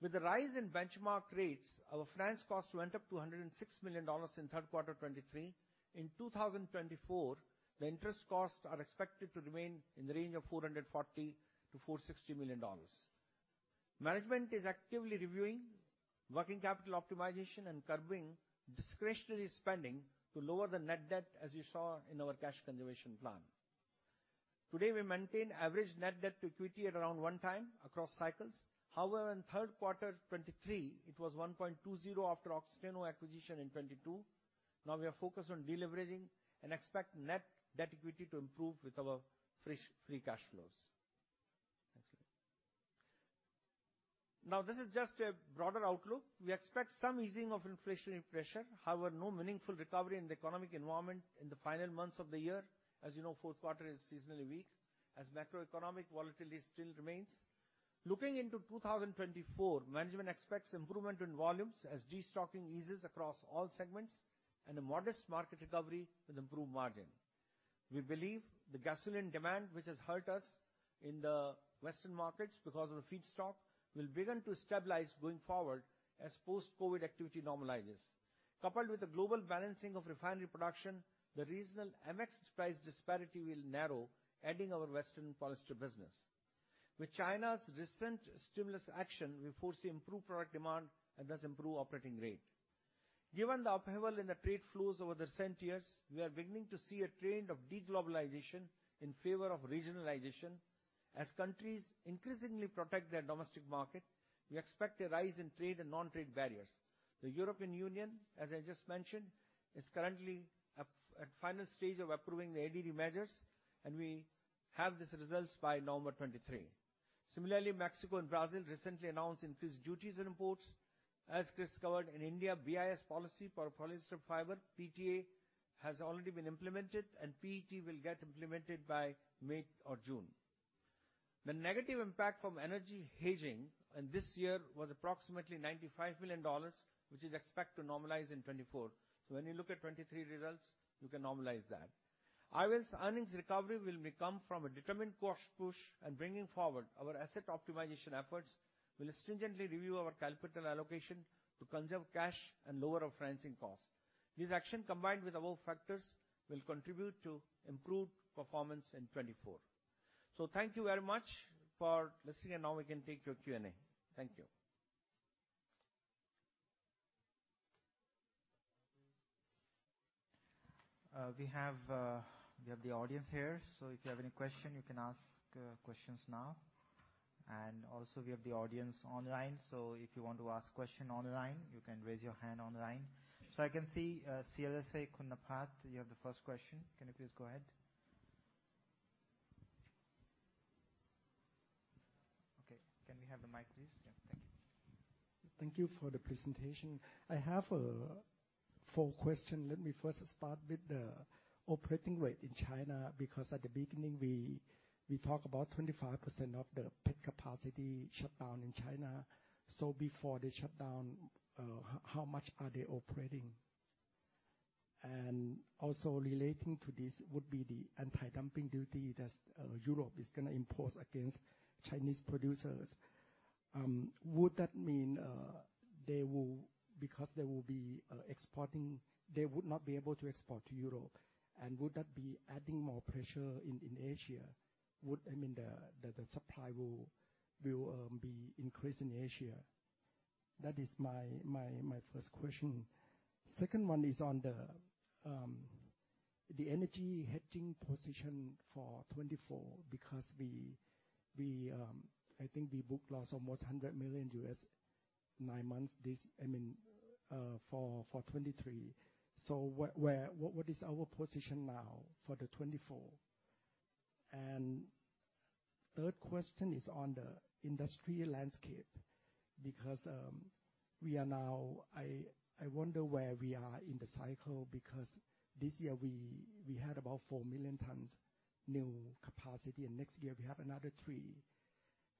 With the rise in benchmark rates, our finance costs went up to $106 million in third quarter 2023. In 2024, the interest costs are expected to remain in the range of $440 million-$460 million. Management is actively reviewing working capital optimization and curbing discretionary spending to lower the net debt, as you saw in our cash conservation plan. Today, we maintain average net debt to equity at around one time across cycles. However, in third quarter 2023, it was 1.20 after Oxiteno acquisition in 2022. Now we are focused on deleveraging and expect net debt equity to improve with our fresh free cash flows. Next, please. Now, this is just a broader outlook. We expect some easing of inflationary pressure, however, no meaningful recovery in the economic environment in the final months of the year. As you know, fourth quarter is seasonally weak, as macroeconomic volatility still remains. Looking into 2024, management expects improvement in volumes as de-stocking eases across all segments and a modest market recovery with improved margin. We believe the gasoline demand, which has hurt us in the Western markets because of the feedstock, will begin to stabilize going forward as post-COVID activity normalizes. Coupled with the global balancing of refinery production, the regional MX price disparity will narrow, adding our Western polyester business. With China's recent stimulus action, we foresee improved product demand and thus improve operating rate. Given the upheaval in the trade flows over the recent years, we are beginning to see a trend of de-globalization in favor of regionalization. As countries increasingly protect their domestic market, we expect a rise in trade and non-trade barriers. The European Union, as I just mentioned, is currently in the final stage of approving the ADD measures, and we'll have these results by November 2023. Similarly, Mexico and Brazil recently announced increased duties on imports. As Chris covered, in India, BIS policy for polyester fiber, PTA, has already been implemented and PET will get implemented by May or June. The negative impact from energy hedging in this year was approximately $95 million, which is expected to normalize in 2024. So when you look at 2023 results, you can normalize that. IOD's earnings recovery will come from a determined cost push, and bringing forward our asset optimization efforts, we'll stringently review our capital allocation to conserve cash and lower our financing costs. These actions, combined with above factors, will contribute to improved performance in 2024. So thank you very much for listening, and now we can take your Q&A. Thank you. We have the audience here, so if you have any question, you can ask questions now. And also, we have the audience online, so if you want to ask question online, you can raise your hand online. So I can see, CLSA, Khun Naphat, you have the first question. Can you please go ahead? Okay. Can we have the mic, please? Yeah, thank you. Thank you for the presentation. I have four question. Let me first start with the operating rate in China, because at the beginning, we talk about 25% of the PET capacity shut down in China. So before the shutdown, how much are they operating? And also relating to this would be the anti-dumping duty that Europe is gonna impose against Chinese producers. Would that mean they will because they will be exporting, they would not be able to export to Europe? And would that be adding more pressure in Asia? Would I mean, the supply will be increased in Asia. That is my first question. Second one is on the energy hedging position for 2024, because we, I think we booked loss almost $100 million, nine months, this, I mean, for 2023. So what, where, what, what is our position now for the 2024? And third question is on the industry landscape, because, we are now. I, I wonder where we are in the cycle, because this year we, we had about 4 million tons new capacity, and next year we have another three.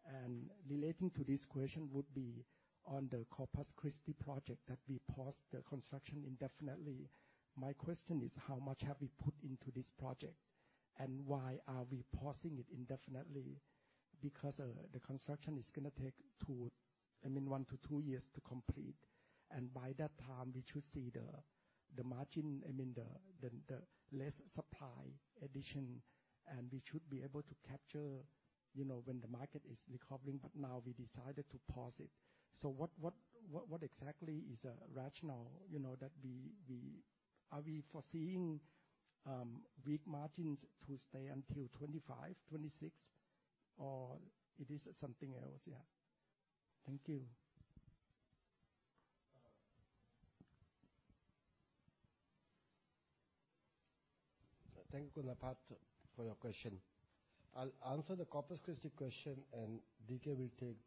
And relating to this question would be on the Corpus Christi project that we paused the construction indefinitely. My question is: How much have we put into this project, and why are we pausing it indefinitely? Because the construction is gonna take two, I mean, one to two years to complete, and by that time, we should see the margin, I mean, the less supply addition, and we should be able to capture, you know, when the market is recovering, but now we decided to pause it. So what exactly is a rationale, you know, that we— Are we foreseeing weak margins to stay until 2025, 2026, or it is something else, yeah? Thank you. ...Thank you, Khun Naphat, for your question. I'll answer the Corpus Christi question, and D.K. will take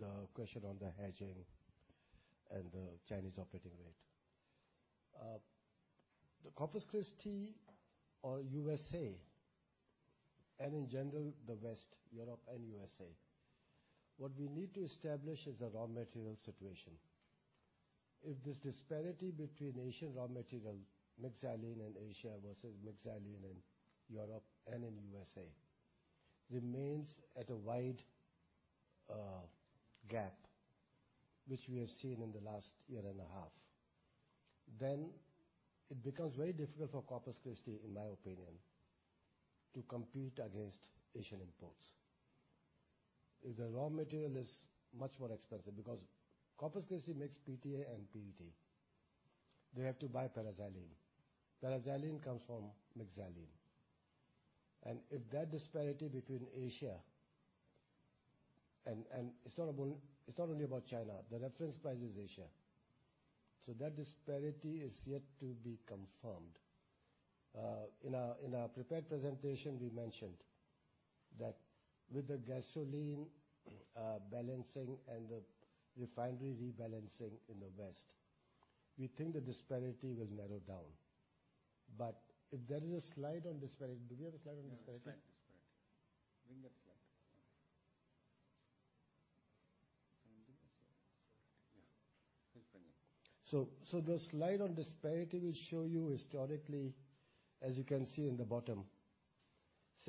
the question on the hedging and the Chinese operating rate. The Corpus Christi or USA, and in general, the West, Europe and USA, what we need to establish is a raw material situation. If this disparity between Asian raw material, mixed xylene in Asia versus mixed xylene in Europe and in USA, remains at a wide gap, which we have seen in the last year and a half, then it becomes very difficult for Corpus Christi, in my opinion, to compete against Asian imports. If the raw material is much more expensive, because Corpus Christi makes PTA and PET, they have to buy paraxylene. Paraxylene comes from mixed xylene. And if that disparity between Asia and it's not only about China, the reference price is Asia. So that disparity is yet to be confirmed. In our prepared presentation, we mentioned that with the gasoline balancing and the refinery rebalancing in the West, we think the disparity will narrow down. But if there is a slide on disparity... Do we have a slide on disparity? Yeah, slide disparity. Bring that slide. Yeah. Please bring it. So, the slide on disparity will show you historically, as you can see in the bottom,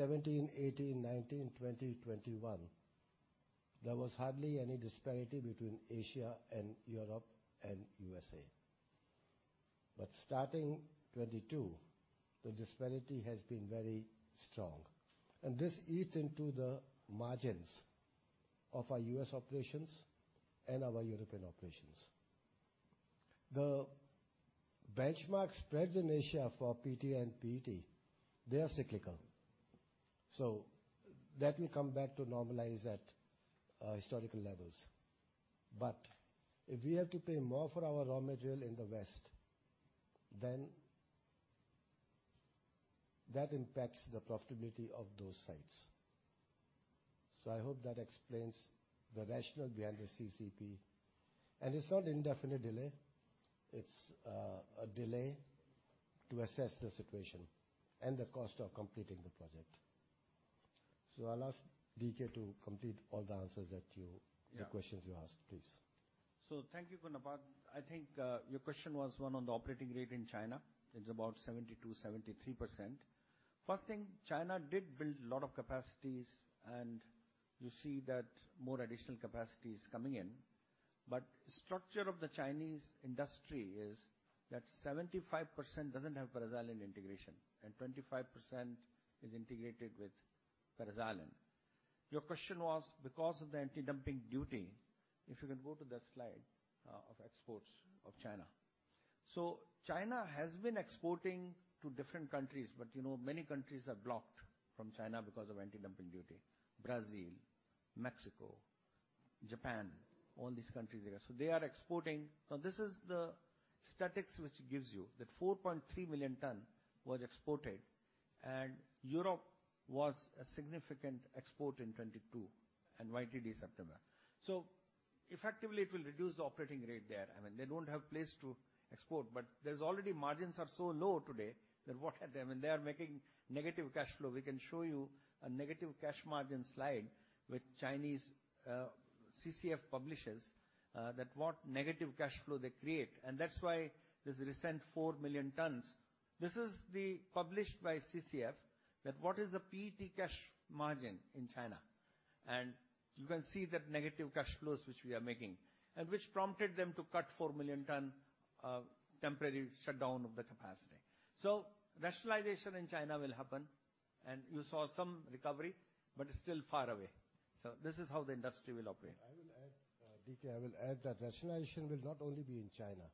2017, 2018, 2019, 2020, 2021, there was hardly any disparity between Asia and Europe and USA. But starting 2022, the disparity has been very strong, and this eats into the margins of our U.S. operations and our European operations. The benchmark spreads in Asia for PTA and PET, they are cyclical, so that will come back to normalize at historical levels. But if we have to pay more for our raw material in the West, then that impacts the profitability of those sites. So I hope that explains the rationale behind the CCP. And it's not indefinite delay. It's a delay to assess the situation and the cost of completing the project. So I'll ask D.K. to complete all the answers that you- Yeah. The questions you asked, please. So thank you, Khun Naphat. I think, your question was one on the operating rate in China. It's about 72%-73%. First thing, China did build a lot of capacities, and you see that more additional capacity is coming in. But structure of the Chinese industry is that 75% doesn't have paraxylene integration, and 25% is integrated with paraxylene. Your question was, because of the antidumping duty, if you can go to that slide, of exports of China. So China has been exporting to different countries, but, you know, many countries are blocked from China because of antidumping duty. Brazil, Mexico, Japan, all these countries there. So they are exporting... Now, this is the statistics which gives you, that 4.3 million tons was exported, and Europe was a significant export in 2022 and YTD September. So effectively, it will reduce the operating rate there. I mean, they don't have place to export, but there's already margins are so low today that what are they? And they are making negative cash flow. We can show you a negative cash margin slide, which Chinese CCF publishes, that what negative cash flow they create, and that's why this recent 4 million tons. This is published by CCF, that what is the PET cash margin in China? And you can see that negative cash flows, which we are making, and which prompted them to cut 4 million tons, temporary shutdown of the capacity. So rationalization in China will happen, and you saw some recovery, but it's still far away. So this is how the industry will operate. I will add, D.K., I will add that rationalization will not only be in China,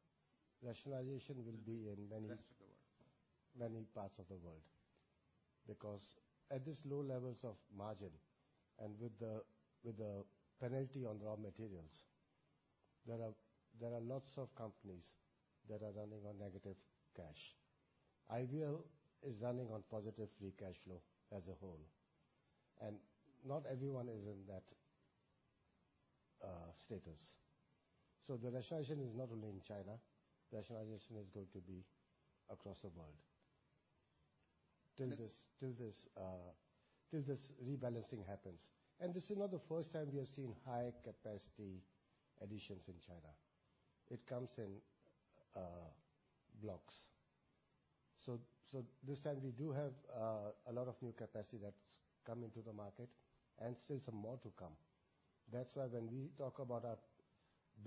rationalization will be in many- Rest of the world... many parts of the world. Because at this low levels of margin, and with the, with the penalty on raw materials, there are, there are lots of companies that are running on negative cash. IVL is running on positive free cash flow as a whole, and not everyone is in that status. So the rationalization is not only in China, rationalization is going to be across the world till this, till this, till this rebalancing happens. And this is not the first time we have seen high-capacity additions in China. It comes in, blocks. So, so this time we do have, a lot of new capacity that's come into the market and still some more to come. That's why when we talk about our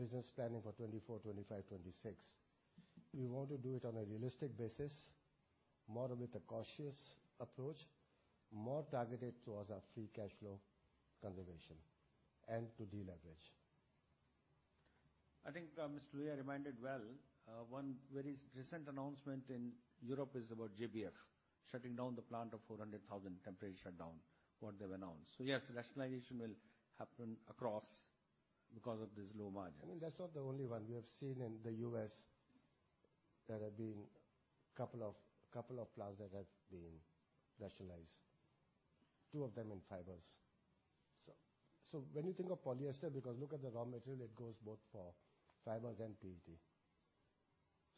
business planning for 2024, 2025, 2026, we want to do it on a realistic basis, more with a cautious approach, more targeted towards our free cash flow conservation and to deleverage. I think, Mr. Lohia reminded well, one very recent announcement in Europe is about JBF, shutting down the plant of 400,000 temporary shutdown, what they've announced. So yes, rationalization will happen across.... Because of these low margins. I mean, that's not the only one. We have seen in the U.S., there have been couple of, couple of plants that have been rationalized, two of them in fibers. So, so when you think of polyester, because look at the raw material, it goes both for fibers and PET.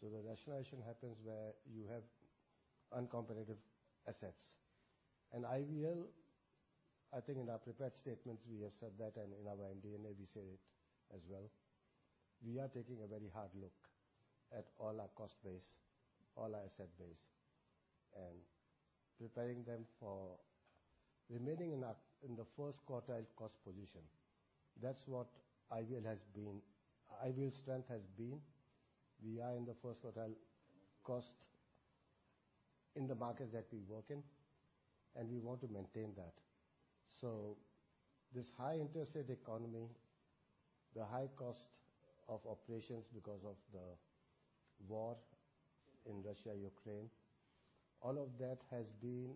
So the rationalization happens where you have uncompetitive assets. And IVL, I think in our prepared statements, we have said that, and in our MD&A, we say it as well, we are taking a very hard look at all our cost base, all our asset base, and preparing them for remaining in our- in the first quartile cost position. That's what IVL has been-- IVL's strength has been. We are in the first quartile cost in the markets that we work in, and we want to maintain that. So this high interest rate economy, the high cost of operations because of the war in Russia, Ukraine, all of that has been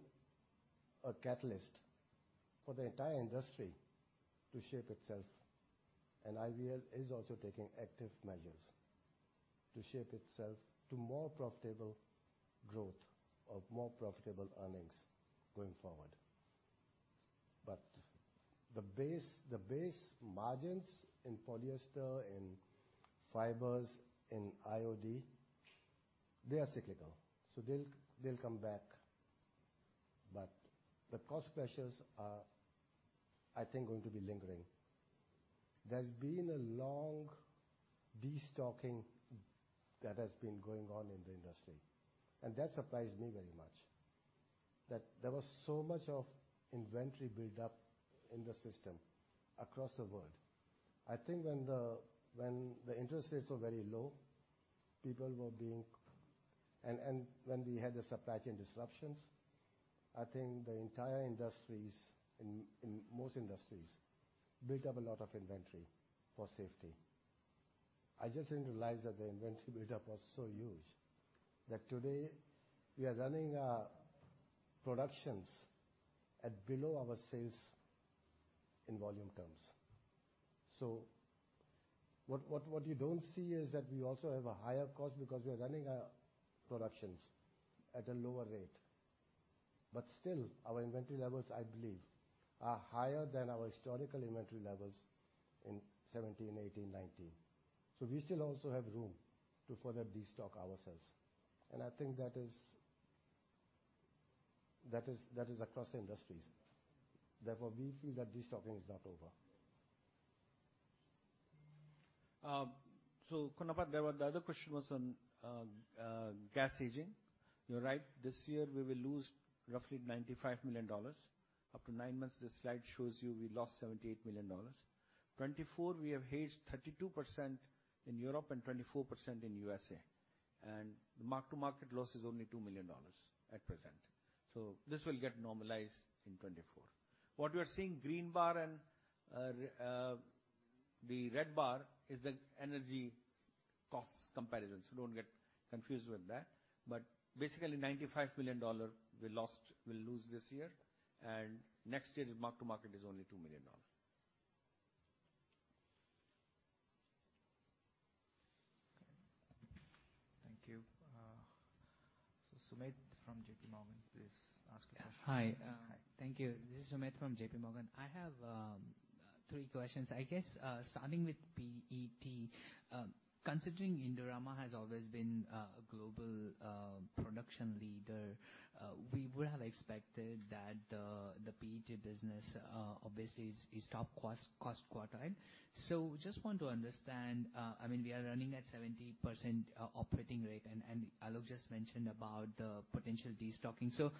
a catalyst for the entire industry to shape itself. And IVL is also taking active measures to shape itself to more profitable growth or more profitable earnings going forward. But the base, the base margins in polyester, in fibers, in IOD, they are cyclical, so they'll, they'll come back. But the cost pressures are, I think, going to be lingering. There's been a long destocking that has been going on in the industry, and that surprised me very much, that there was so much of inventory build-up in the system across the world. I think when the, when the interest rates were very low, people were being... When we had the supply chain disruptions, I think the entire industries in most industries built up a lot of inventory for safety. I just didn't realize that the inventory build-up was so huge, that today we are running our productions at below our sales in volume terms. So what you don't see is that we also have a higher cost because we are running our productions at a lower rate. But still, our inventory levels, I believe, are higher than our historical inventory levels in 2017, 2018, 2019. So we still also have room to further destock ourselves, and I think that is across industries. Therefore, we feel that destocking is not over. So Khun Naphat, the other question was on gas hedging. You're right, this year we will lose roughly $95 million. Up to nine months, this slide shows you we lost $78 million. 2024, we have hedged 32% in Europe and 24% in USA, and the mark-to-market loss is only $2 million at present. So this will get normalized in 2024. What you are seeing, green bar and the red bar, is the energy costs comparisons, so don't get confused with that. But basically, $95 million we lost, we'll lose this year, and next year's mark-to-market is only $2 million. Thank you. So Sumedh from JPMorgan, please ask your question. Hi, uh- Hi. Thank you. This is Sumedh from JPMorgan. I have three questions. I guess starting with PET. Considering Indorama has always been a global production leader, we would have expected that the PET business obviously is top cost quartile. So just want to understand, I mean, we are running at 70% operating rate, and Aloke just mentioned about the potential destocking. So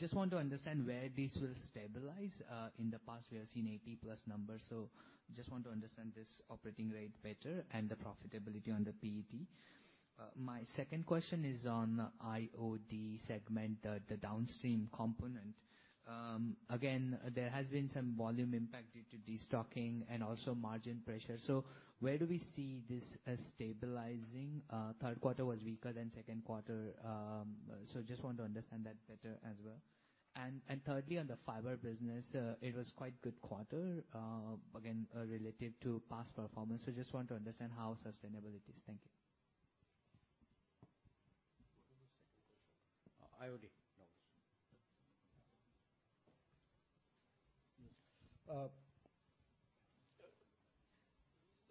just want to understand where this will stabilize. In the past, we have seen 80+ numbers, so just want to understand this operating rate better and the profitability on the PET. My second question is on IOD segment, the downstream component. Again, there has been some volume impact due to destocking and also margin pressure. So where do we see this as stabilizing? Third quarter was weaker than second quarter. So just want to understand that better as well. And thirdly, on the fiber business, it was quite good quarter, again, relative to past performance. So just want to understand how sustainable it is. Thank you. What was the second question? IOD. No.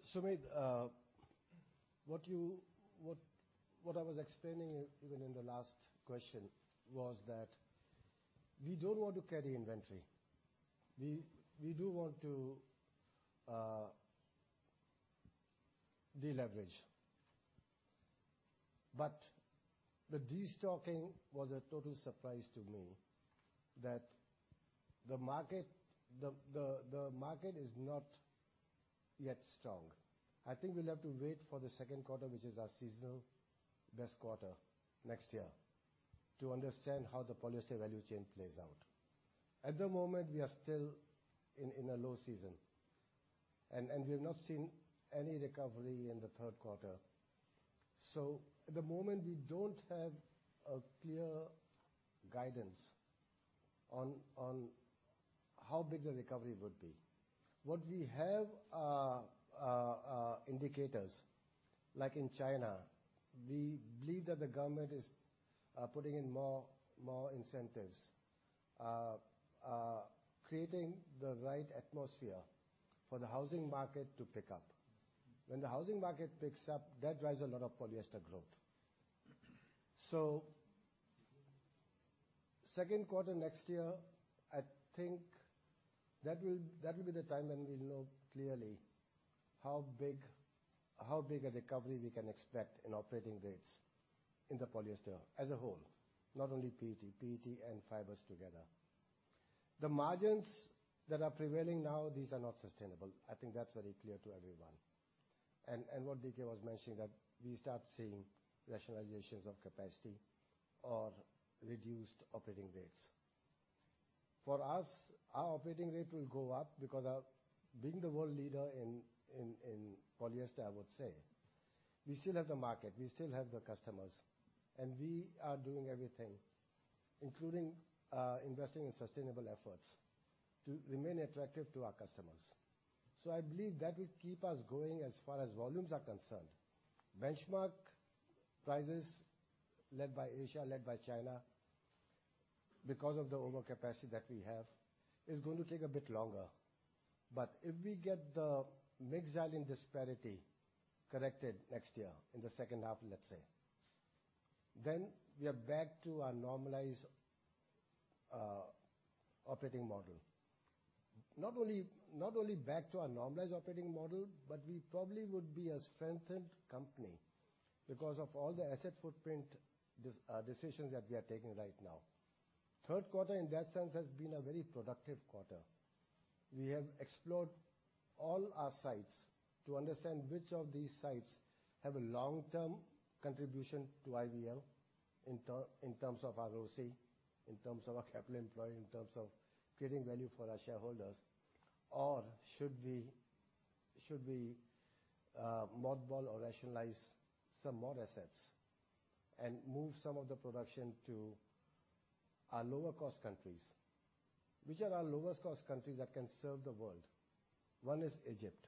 Sumedh, what you, what I was explaining even in the last question, was that we don't want to carry inventory. We, we do want to deleverage. But the destocking was a total surprise to me, that the market, the market is not yet strong. I think we'll have to wait for the second quarter, which is our seasonal best quarter next year, to understand how the polyester value chain plays out. At the moment, we are still in a low season, and we've not seen any recovery in the third quarter. So at the moment, we don't have a clear guidance on how big the recovery would be. What we have indicators, like in China, we believe that the government is putting in more incentives. Creating the right atmosphere for the housing market to pick up. When the housing market picks up, that drives a lot of polyester growth. So second quarter next year, I think that will, that will be the time when we'll know clearly how big, how big a recovery we can expect in operating rates in the polyester as a whole, not only PET, PET and fibers together. The margins that are prevailing now, these are not sustainable. I think that's very clear to everyone. And, and what D.K. was mentioning, that we start seeing rationalizations of capacity or reduced operating rates. For us, our operating rate will go up because our being the world leader in, in, in polyester, I would say, we still have the market, we still have the customers. We are doing everything, including investing in sustainable efforts, to remain attractive to our customers. So I believe that will keep us going as far as volumes are concerned. Benchmark prices, led by Asia, led by China, because of the overcapacity that we have, is going to take a bit longer. But if we get the Mixed Xylene disparity corrected next year, in the second half, let's say, then we are back to our normalized operating model. Not only, not only back to our normalized operating model, but we probably would be a strengthened company because of all the asset footprint decisions that we are taking right now. Third quarter, in that sense, has been a very productive quarter. We have explored all our sites to understand which of these sites have a long-term contribution to IVL in terms of our ROC, in terms of our capital employed, in terms of creating value for our shareholders. Or should we mothball or rationalize some more assets and move some of the production to our lower-cost countries? Which are our lowest cost countries that can serve the world? One is Egypt.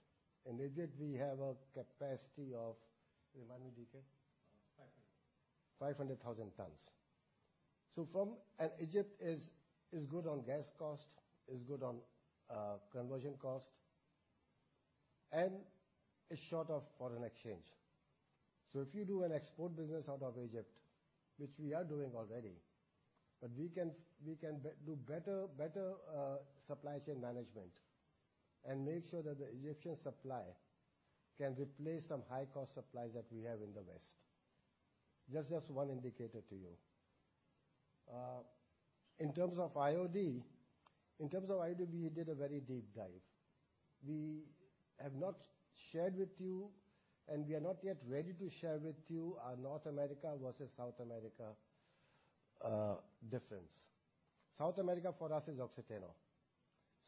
In Egypt, we have a capacity of... Remind me, D.K. 500. 500,000 tons. So from and Egypt is good on gas cost, is good on conversion cost, and is short of foreign exchange. So if you do an export business out of Egypt, which we are doing already, but we can, we can do better, better supply chain management and make sure that the Egyptian supply can replace some high-cost supplies that we have in the West. Just, just one indicator to you. In terms of IOD. In terms of IOD, we did a very deep dive. We have not shared with you, and we are not yet ready to share with you, our North America versus South America difference. South America, for us, is Oxiteno.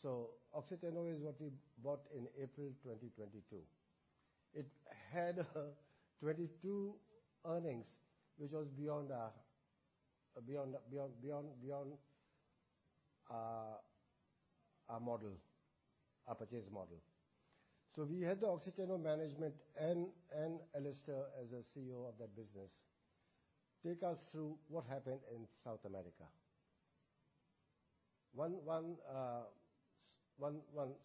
So Oxiteno is what we bought in April 2022. It had 2022 earnings, which was beyond our, beyond, beyond, beyond our model, our purchase model. So we had the Oxiteno management and Alastair, as the CEO of that business, take us through what happened in South America. One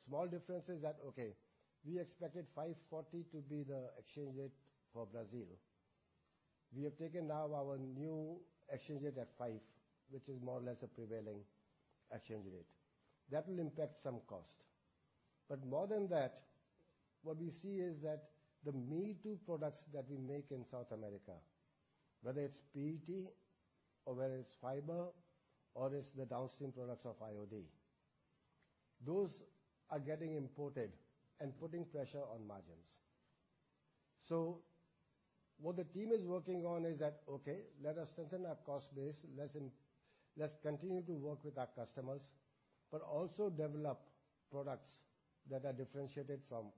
small difference is that, okay, we expected 5.40 to be the exchange rate for Brazil. We have taken now our new exchange rate at five, which is more or less a prevailing exchange rate. That will impact some cost. But more than that, what we see is that the me-too products that we make in South America, whether it's PET or whether it's fiber or it's the downstream products of IOD, those are getting imported and putting pressure on margins. So what the team is working on is that, "Okay, let us strengthen our cost base. Let's continue to work with our customers, but also develop products that are differentiated from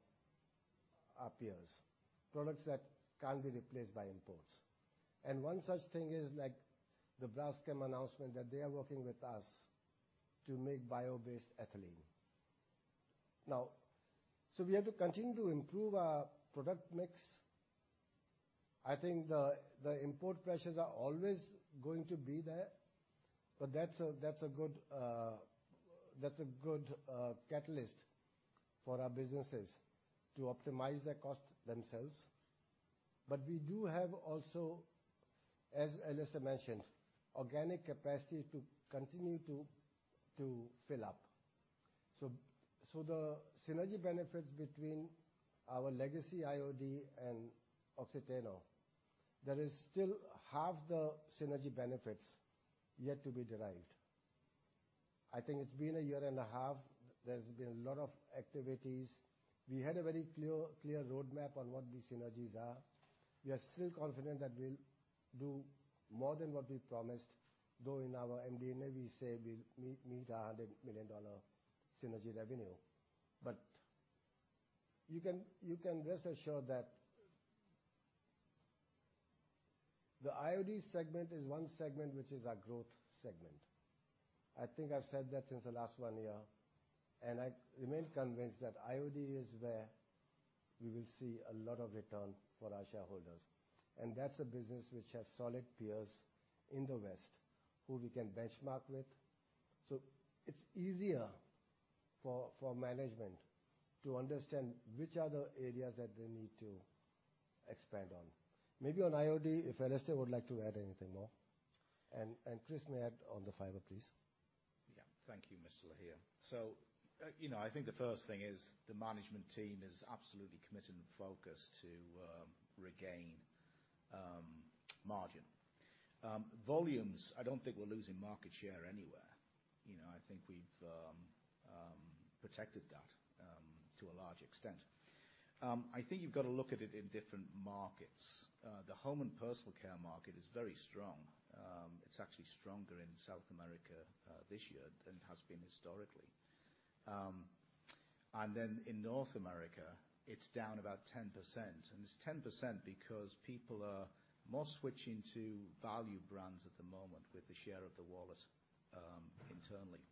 our peers, products that can't be replaced by imports. And one such thing is, like, the Braskem announcement, that they are working with us to make bio-based ethylene. Now, so we have to continue to improve our product mix. I think the import pressures are always going to be there, but that's a good catalyst for our businesses to optimize their costs themselves. But we do have also, as Alastair mentioned, organic capacity to continue to fill up. So the synergy benefits between our legacy IOD and Oxiteno, there is still half the synergy benefits yet to be derived. I think it's been a year and a half. There's been a lot of activities. We had a very clear, clear roadmap on what the synergies are. We are still confident that we'll do more than what we promised, though in our MD&A, we say we'll meet, meet our $100 million synergy revenue. But you can, you can rest assured that the IOD segment is one segment, which is our growth segment. I think I've said that since the last one year, and I remain convinced that IOD is where we will see a lot of return for our shareholders. And that's a business which has solid peers in the West, who we can benchmark with. So it's easier for, for management to understand which are the areas that they need to expand on. Maybe on IOD, if Alastair would like to add anything more, and, and Chris may add on the fiber, please. Yeah. Thank you, Mr. Lohia. So, you know, I think the first thing is, the management team is absolutely committed and focused to regain margin. Volumes, I don't think we're losing market share anywhere. You know, I think we've protected that to a large extent. I think you've got to look at it in different markets. The home and personal care market is very strong. It's actually stronger in South America this year than it has been historically. And then in North America, it's down about 10%, and it's 10% because people are more switching to value brands at the moment with the share of the wallet internally.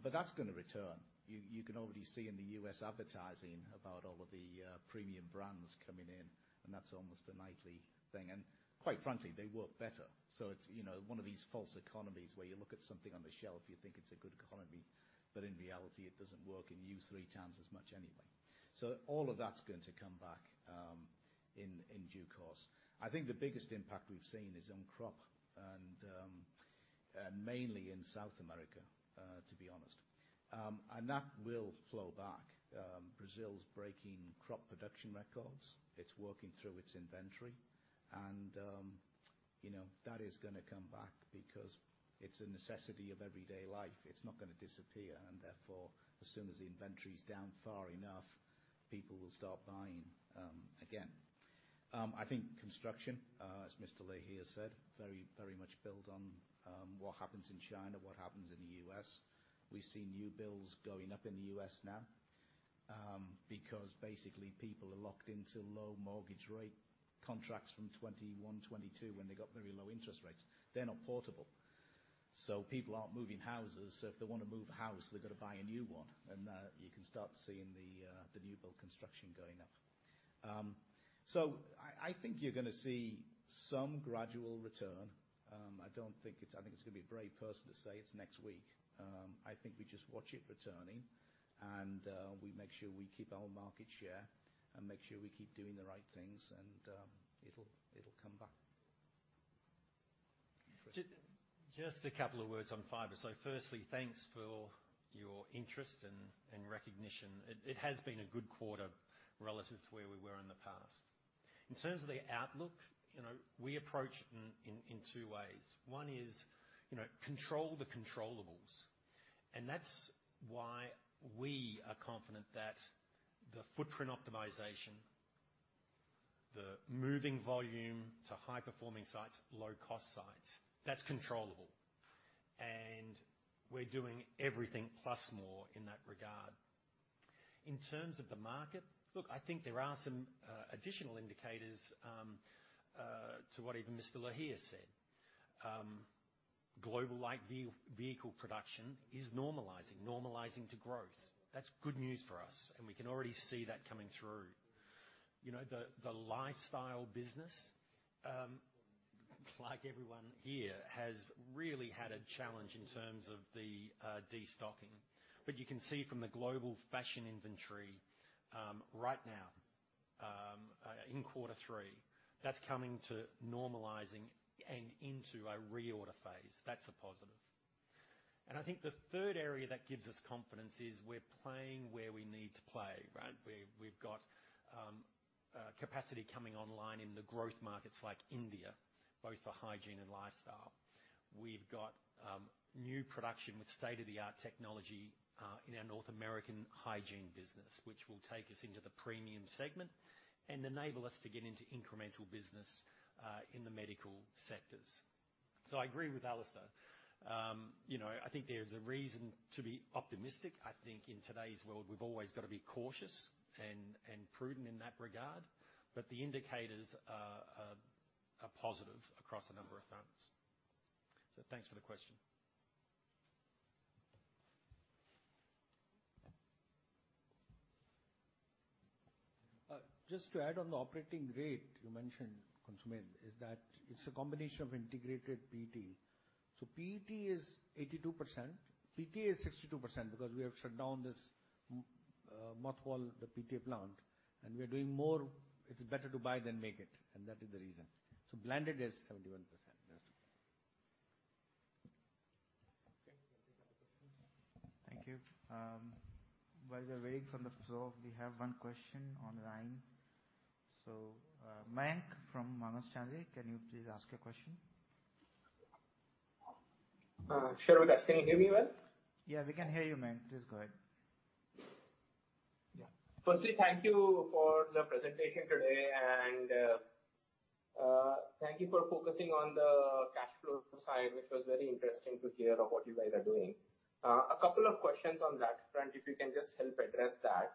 But that's gonna return. You can already see in the U.S. advertising about all of the premium brands coming in, and that's almost a nightly thing. And quite frankly, they work better. So it's, you know, one of these false economies, where you look at something on the shelf, you think it's a good economy, but in reality, it doesn't work, and you use three times as much anyway. So all of that's going to come back in due course. I think the biggest impact we've seen is on crop and mainly in South America, to be honest. And that will flow back. Brazil's breaking crop production records. It's working through its inventory. And you know, that is gonna come back because it's a necessity of everyday life. It's not gonna disappear, and therefore, as soon as the inventory is down far enough, people will start buying again. I think construction, as Mr. Lohia has said, very, very much built on what happens in China, what happens in the U.S. We see new builds going up in the U.S. now, because basically, people are locked into low mortgage rate contracts from 2021, 2022, when they got very low interest rates. They're not portable. So people aren't moving houses, so if they want to move a house, they've got to buy a new one, and you can start seeing the new build construction going up. So I think you're gonna see some gradual return. I don't think it's. I think it's gonna be a brave person to say it's next week. I think we just watch it returning, and we make sure we keep our market share and make sure we keep doing the right things, and it'll come back. Just a couple of words on fiber. So firstly, thanks for your interest and recognition. It has been a good quarter relative to where we were in the past. In terms of the outlook, you know, we approach it in two ways. One is, you know, control the controllables, and that's why we are confident that the footprint optimization, the moving volume to high-performing sites, low-cost sites, that's controllable. And we're doing everything plus more in that regard. In terms of the market, look, I think there are some additional indicators to what even Mr. Lohia said. Global light vehicle production is normalizing to growth. That's good news for us, and we can already see that coming through. You know, the lifestyle business, like everyone here, has really had a challenge in terms of the destocking. But you can see from the global fashion inventory, right now, in quarter three, that's coming to normalizing and into a reorder phase. That's a positive. And I think the third area that gives us confidence is, we're playing where we need to play, right? We've got capacity coming online in the growth markets like India, both for hygiene and lifestyle. We've got new production with state-of-the-art technology in our North American hygiene business, which will take us into the premium segment and enable us to get into incremental business in the medical sectors. So I agree with Alastair. You know, I think there's a reason to be optimistic. I think in today's world, we've always got to be cautious and prudent in that regard, but the indicators are positive across a number of fronts. Thanks for the question. Just to add on the operating rate, you mentioned, combined, is that it's a combination of integrated PET. So PET is 82%. PTA is 62%, because we have shut down this, mothball, the PTA plant, and we are doing more. It's better to buy than make it, and that is the reason. So blended is 71%. That's it. Thank you. While we're waiting for the floor, we have one question online. So, Mayank Chandani, can you please ask your question? Vikash, can you hear me well? Yeah, we can hear you, Mayank. Please go ahead. Yeah. Firstly, thank you for the presentation today, and thank you for focusing on the side, which was very interesting to hear of what you guys are doing. A couple of questions on that front, if you can just help address that.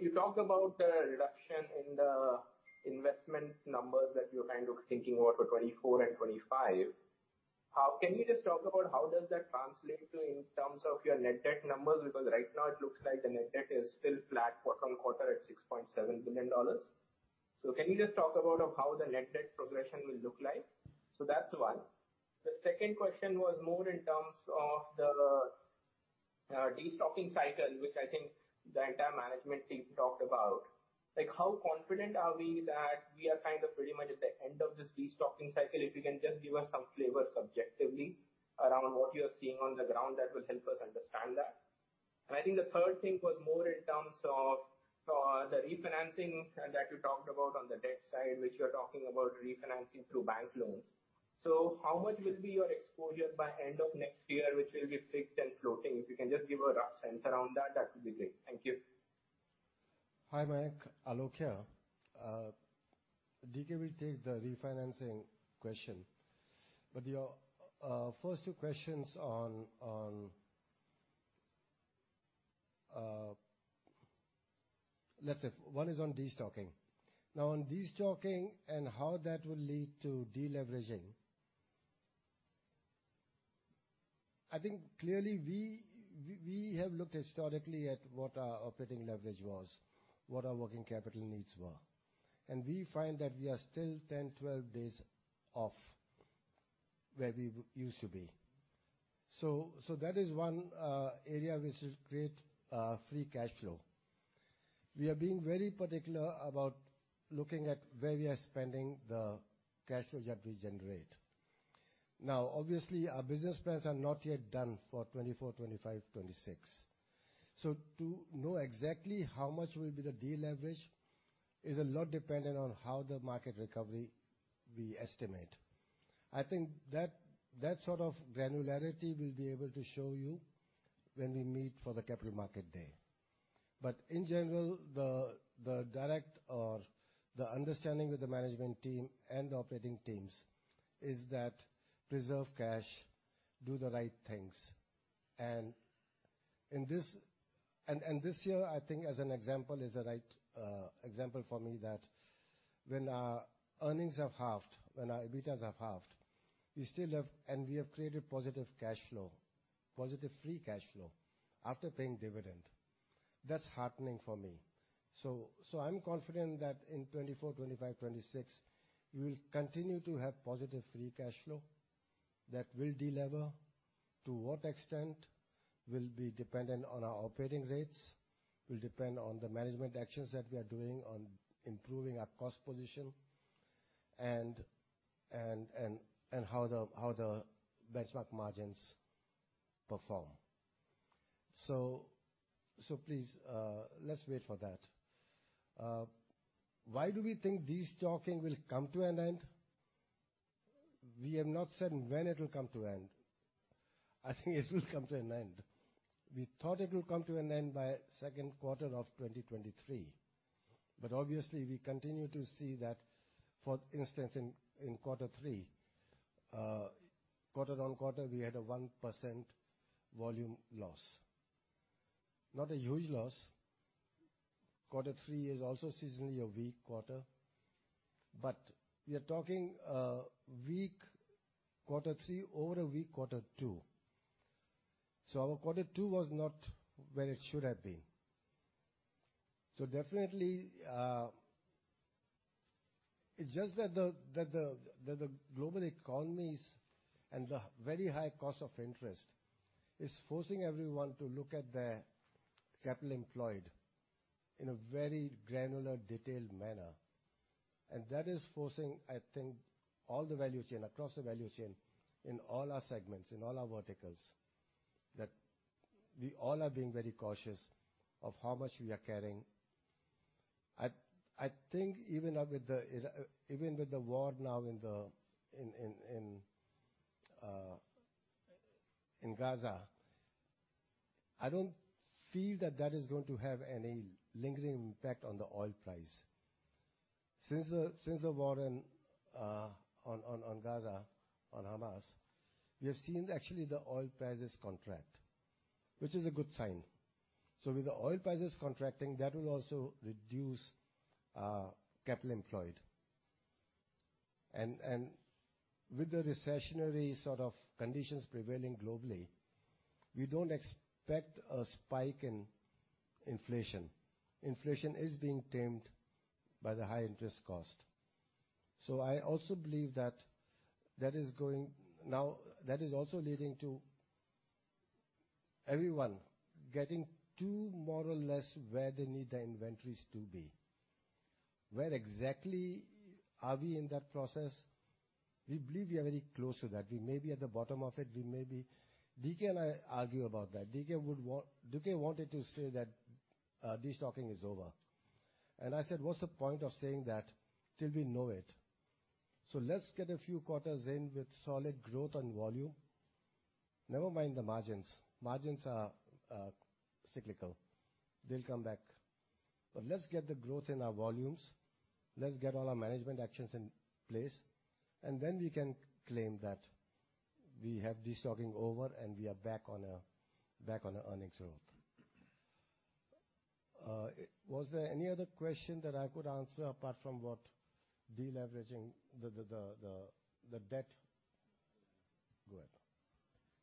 You talked about the reduction in the investment numbers that you're kind of thinking about for 2024 and 2025. How can you just talk about how does that translate to in terms of your net debt numbers? Because right now it looks like the net debt is still flat quarter-on-quarter at $6.7 billion. So can you just talk about of how the net debt progression will look like? So that's one. The second question was more in terms of the destocking cycle, which I think the entire management team talked about. Like, how confident are we that we are kind of pretty much at the end of this destocking cycle? If you can just give us some flavor subjectively around what you are seeing on the ground, that will help us understand that. And I think the third thing was more in terms of, the refinancing that you talked about on the debt side, which you're talking about refinancing through bank loans. So how much will be your exposure by end of next year, which will be fixed and floating? If you can just give a rough sense around that, that would be great. Thank you. Hi, Mayank, Aloke here. D.K. will take the refinancing question, but your first two questions on... Let's say, one is on destocking. Now, on destocking and how that will lead to deleveraging. I think clearly we have looked historically at what our operating leverage was, what our working capital needs were, and we find that we are still 10, 12 days off where we used to be. So that is one area which is create free cash flow. We are being very particular about looking at where we are spending the cash flow that we generate. Now, obviously, our business plans are not yet done for 2024, 2025, 2026. So to know exactly how much will be the deleverage is a lot dependent on how the market recovery we estimate. I think that sort of granularity we'll be able to show you when we meet for the capital market day. But in general, the direct or the understanding with the management team and the operating teams is that preserve cash, do the right things. And this year, I think, as an example, is the right example for me that when our earnings have halved, when our EBITDA has halved, we still have... And we have created positive cash flow, positive free cash flow, after paying dividend. That's heartening for me. So I'm confident that in 2024, 2025, 2026, we will continue to have positive free cash flow that will delever. To what extent will be dependent on our operating rates, will depend on the management actions that we are doing on improving our cost position, and how the benchmark margins perform. So please, let's wait for that. Why do we think destocking will come to an end? We have not said when it will come to end. I think it will come to an end. We thought it would come to an end by second quarter of 2023, but obviously we continue to see that, for instance, in quarter three, quarter-on-quarter, we had a 1% volume loss. Not a huge loss. Quarter three is also seasonally a weak quarter, but we are talking a weak quarter three over a weak quarter two. So our quarter two was not where it should have been. So definitely, it's just that the global economies and the very high cost of interest is forcing everyone to look at their capital employed in a very granular, detailed manner. And that is forcing, I think, all the value chain, across the value chain, in all our segments, in all our verticals, that we all are being very cautious of how much we are carrying. I think even with the war now in Gaza, I don't feel that that is going to have any lingering impact on the oil price. Since the war on Gaza, on Hamas, we have seen actually the oil prices contract, which is a good sign. So with the oil prices contracting, that will also reduce capital employed. With the recessionary sort of conditions prevailing globally, we don't expect a spike in inflation. Inflation is being tamed by the high interest cost. So I also believe that that is going... Now, that is also leading to everyone getting to more or less where they need their inventories to be. Where exactly are we in that process? We believe we are very close to that. We may be at the bottom of it, we may be- D.K. and I argue about that. D.K. would want- D.K. wanted to say that, destocking is over. And I said: What's the point of saying that till we know it? So let's get a few quarters in with solid growth and volume.... Never mind the margins. Margins are, cyclical, they'll come back. But let's get the growth in our volumes, let's get all our management actions in place, and then we can claim that we have destocking over, and we are back on a earnings road. Was there any other question that I could answer apart from what de-leveraging the debt? Go ahead.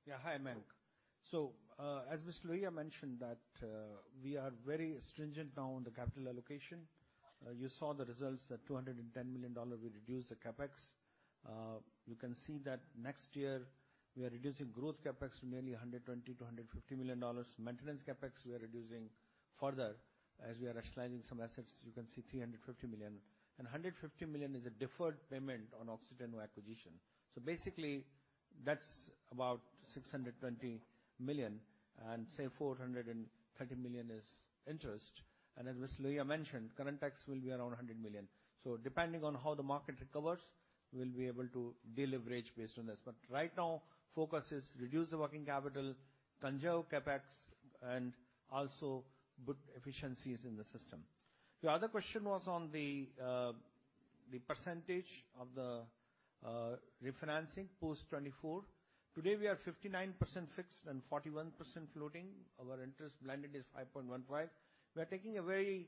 Yeah. Hi, Mayank. So, as Mr. Lohia mentioned, that we are very stringent now on the capital allocation. You saw the results, that $210 million we reduced the CapEx. You can see that next year we are reducing growth CapEx to nearly $120 million-$150 million. Maintenance CapEx, we are reducing further. As we are rationalizing some assets, you can see $350 million, and $150 million is a deferred payment on Oxiteno acquisition. So basically, that's about $620 million, and say, $430 million is interest. And as Mr. Lohia mentioned, current tax will be around $100 million. So depending on how the market recovers, we'll be able to deleverage based on this. But right now, focus is reduce the working capital, curb CapEx, and also put efficiencies in the system. The other question was on the percentage of the refinancing post-2024. Today, we are 59% fixed and 41% floating. Our interest blended is 5.15%. We are taking a very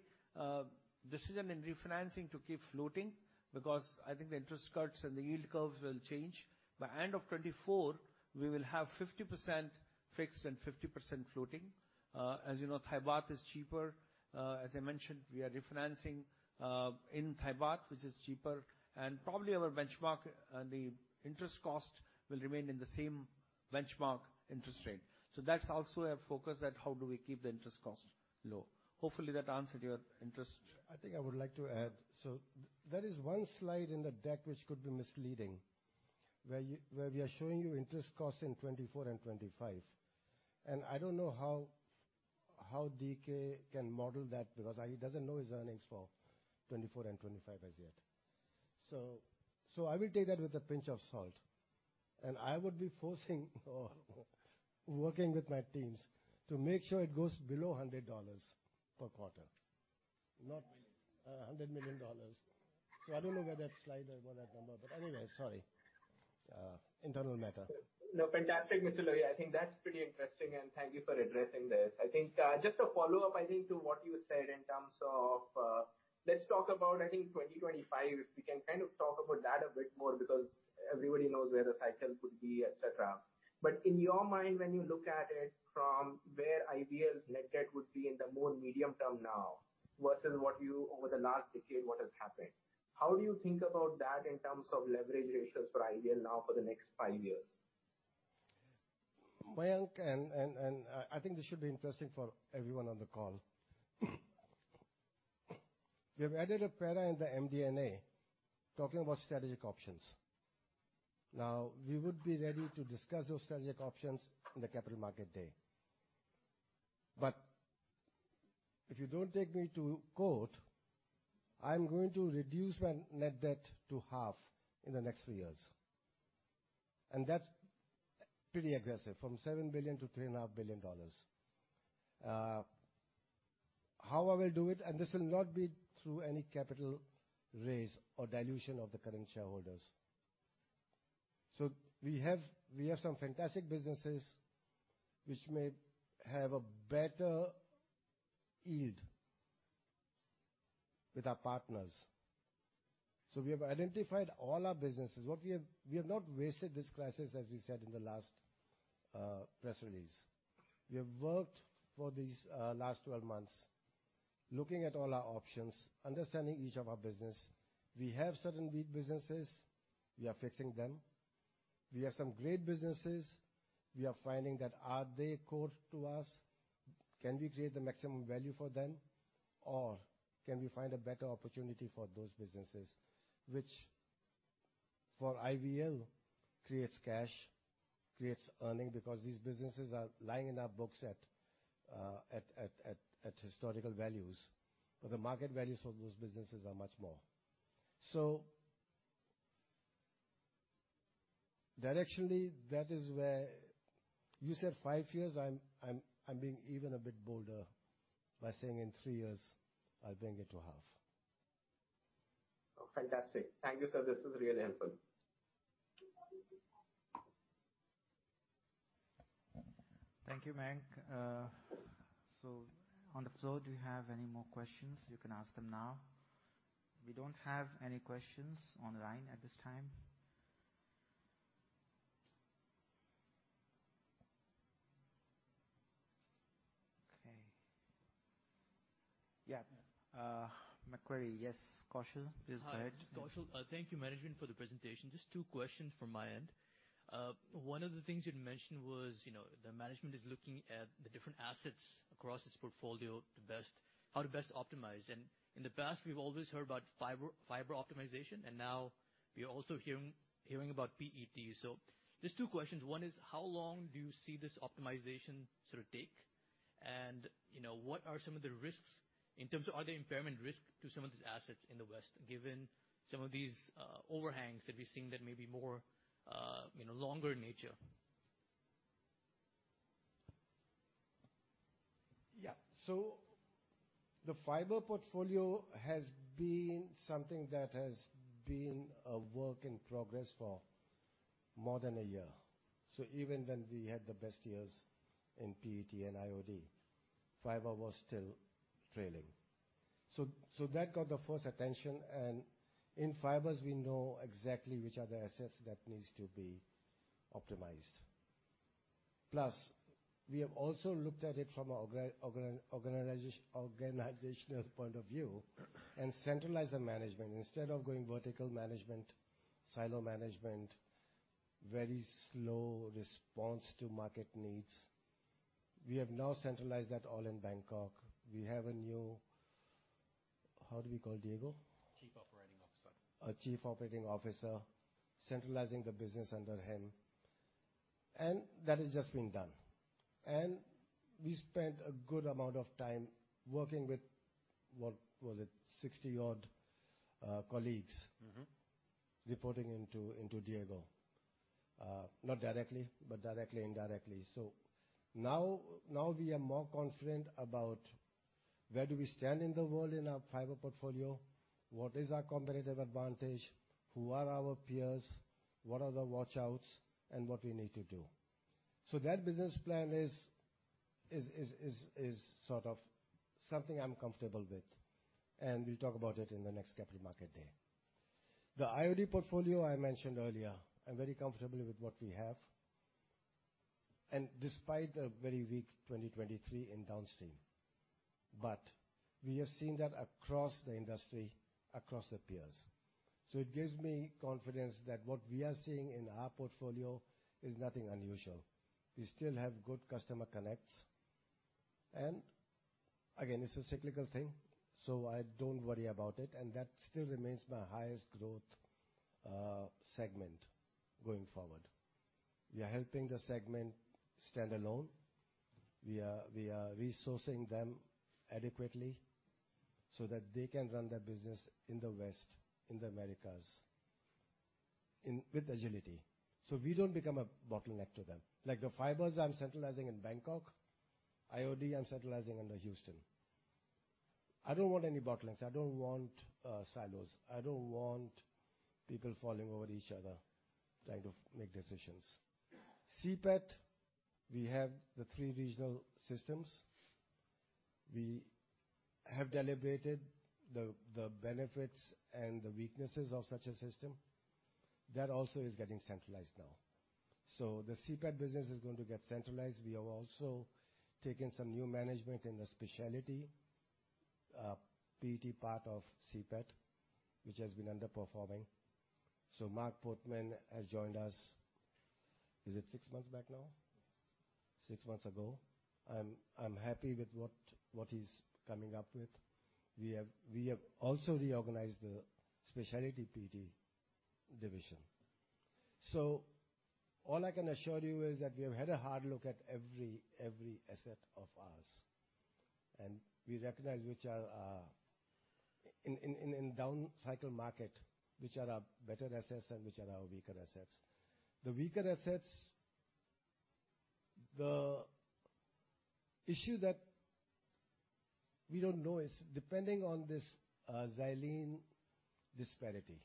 decision in refinancing to keep floating, because I think the interest cuts and the yield curves will change. By end of 2024, we will have 50% fixed and 50% floating. As you know, Thai baht is cheaper. As I mentioned, we are refinancing in Thai baht, which is cheaper. And probably our benchmark, the interest cost will remain in the same benchmark interest rate. So that's also a focus at how do we keep the interest cost low. Hopefully, that answered your interest. I think I would like to add. So there is one slide in the deck which could be misleading, where we are showing you interest costs in 2024 and 2025. And I don't know how D.K. can model that, because he doesn't know his earnings for 2024 and 2025 as yet. So I will take that with a pinch of salt, and I would be forcing or working with my teams to make sure it goes below $100 per quarter, not hundred million dollars. So I don't know where that slide or where that number, but anyway, sorry, internal matter. No, fantastic, Mr. Lohia. I think that's pretty interesting, and thank you for addressing this. I think, just a follow-up, I think, to what you said in terms of, let's talk about, I think, 2025, if we can kind of talk about that a bit more, because everybody knows where the cycle could be, et cetera. But in your mind, when you look at it from where IVL's net debt would be in the more medium term now, versus what you over the last decade, what has happened, how do you think about that in terms of leverage ratios for IVL now for the next five years? Mayank, I think this should be interesting for everyone on the call. We have added a para in the MD&A, talking about strategic options. Now, we would be ready to discuss those strategic options on the capital market day. But if you don't take me to court, I'm going to reduce my net debt to half in the next three years, and that's pretty aggressive, from $7 billion to $3.5 billion. How I will do it, and this will not be through any capital raise or dilution of the current shareholders. So we have, we have some fantastic businesses which may have a better yield with our partners. So we have identified all our businesses. We have not wasted this crisis, as we said in the last press release. We have worked for these last 12 months, looking at all our options, understanding each of our business. We have certain weak businesses, we are fixing them. We have some great businesses, we are finding that, are they core to us? Can we create the maximum value for them, or can we find a better opportunity for those businesses? Which, for IVL, creates cash, creates earning, because these businesses are lying in our books at historical values, but the market values of those businesses are much more. So directionally, that is where... You said five years, I'm being even a bit bolder by saying in three years, I'll bring it to half. Oh, fantastic. Thank you, sir. This is really helpful. Thank you, Mayank. So on the floor, do you have any more questions? You can ask them now. We don't have any questions online at this time. Okay. Yeah, Macquarie. Yes, Kaushal, please go ahead. Hi, Kaushal. Thank you, management, for the presentation. Just two questions from my end. One of the things you'd mentioned was, you know, the management is looking at the different assets across its portfolio, the best, how to best optimize. In the past, we've always heard about fiber, fiber optimization, and now we are also hearing about PET. So just two questions. One is, how long do you see this optimization sort of take?... you know, what are some of the risks in terms of are there impairment risk to some of these assets in the West, given some of these, overhangs that we've seen that may be more, you know, longer in nature? Yeah. So the fiber portfolio has been something that has been a work in progress for more than a year. So even when we had the best years in PET and IOD, fiber was still trailing. So, so that got the first attention, and in fibers, we know exactly which are the assets that needs to be optimized. Plus, we have also looked at it from an organizational point of view and centralized the management, instead of going vertical management, silo management, very slow response to market needs. We have now centralized that all in Bangkok. We have a new... How do we call Diego? Chief Operating Officer. A Chief Operating Officer, centralizing the business under him, and that is just being done. We spent a good amount of time working with, what was it? 60-odd colleagues- Mm-hmm. reporting into Diego. Not directly, but directly, indirectly. So now we are more confident about where do we stand in the world in our fiber portfolio? What is our competitive advantage? Who are our peers? What are the watch outs, and what we need to do? So that business plan is sort of something I'm comfortable with, and we'll talk about it in the next capital market day. The IOD portfolio I mentioned earlier, I'm very comfortable with what we have, and despite a very weak 2023 in downstream. But we have seen that across the industry, across the peers, so it gives me confidence that what we are seeing in our portfolio is nothing unusual. We still have good customer connects. Again, it's a cyclical thing, so I don't worry about it, and that still remains my highest growth segment going forward. We are helping the segment stand alone. We are resourcing them adequately so that they can run their business in the West, in the Americas, with agility. So we don't become a bottleneck to them. Like the fibers I'm centralizing in Bangkok, IOD, I'm centralizing under Houston. I don't want any bottlenecks. I don't want silos. I don't want people falling over each other, trying to make decisions. CPET, we have the three regional systems. We have deliberated the benefits and the weaknesses of such a system. That also is getting centralized now. So the CPET business is going to get centralized. We have also taken some new management in the specialty PET part of CPET, which has been underperforming. Marc Portmann has joined us, is it six months back now? Yes. Six months ago. I'm happy with what he's coming up with. We have also reorganized the specialty PET division. So all I can assure you is that we have had a hard look at every asset of ours, and we recognize which are our in down cycle market, which are our better assets and which are our weaker assets. The weaker assets, the issue that we don't know is depending on this xylene disparity.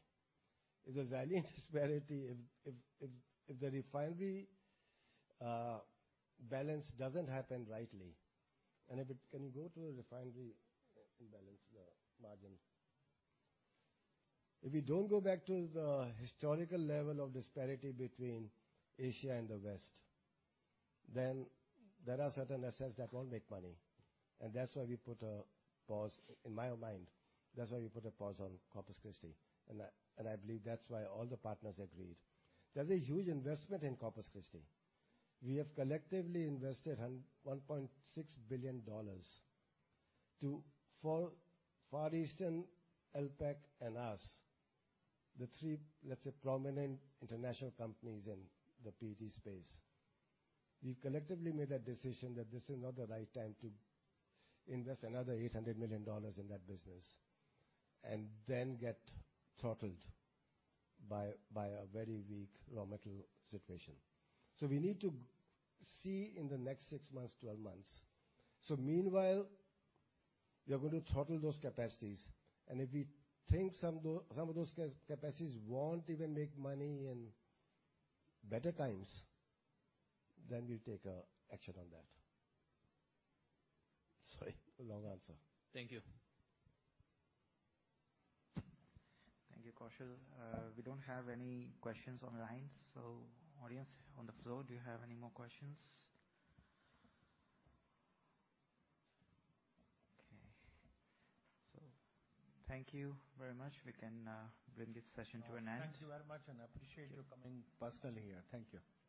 If the xylene disparity, if the refinery balance doesn't happen rightly, and if it— Can you go to the refinery imbalance, the margin? If we don't go back to the historical level of disparity between Asia and the West, then there are certain assets that won't make money. And that's why we put a pause. In my mind, that's why we put a pause on Corpus Christi, and I believe that's why all the partners agreed. There's a huge investment in Corpus Christi. We have collectively invested $1.6 billion to Far Eastern, Alpek and us, the three, let's say, prominent international companies in the PET space. We've collectively made a decision that this is not the right time to invest another $800 million in that business, and then get throttled by a very weak raw material situation. So we need to see in the next six months, 12 months. So meanwhile, we are going to throttle those capacities, and if we think some of those capacities won't even make money in better times, then we'll take action on that. Sorry for long answer. Thank you. Thank you, Kaushal. We don't have any questions on the lines, so audience on the floor, do you have any more questions? Okay. So thank you very much. We can bring this session to an end. Thank you very much, and I appreciate you coming personally here. Thank you. Thank you.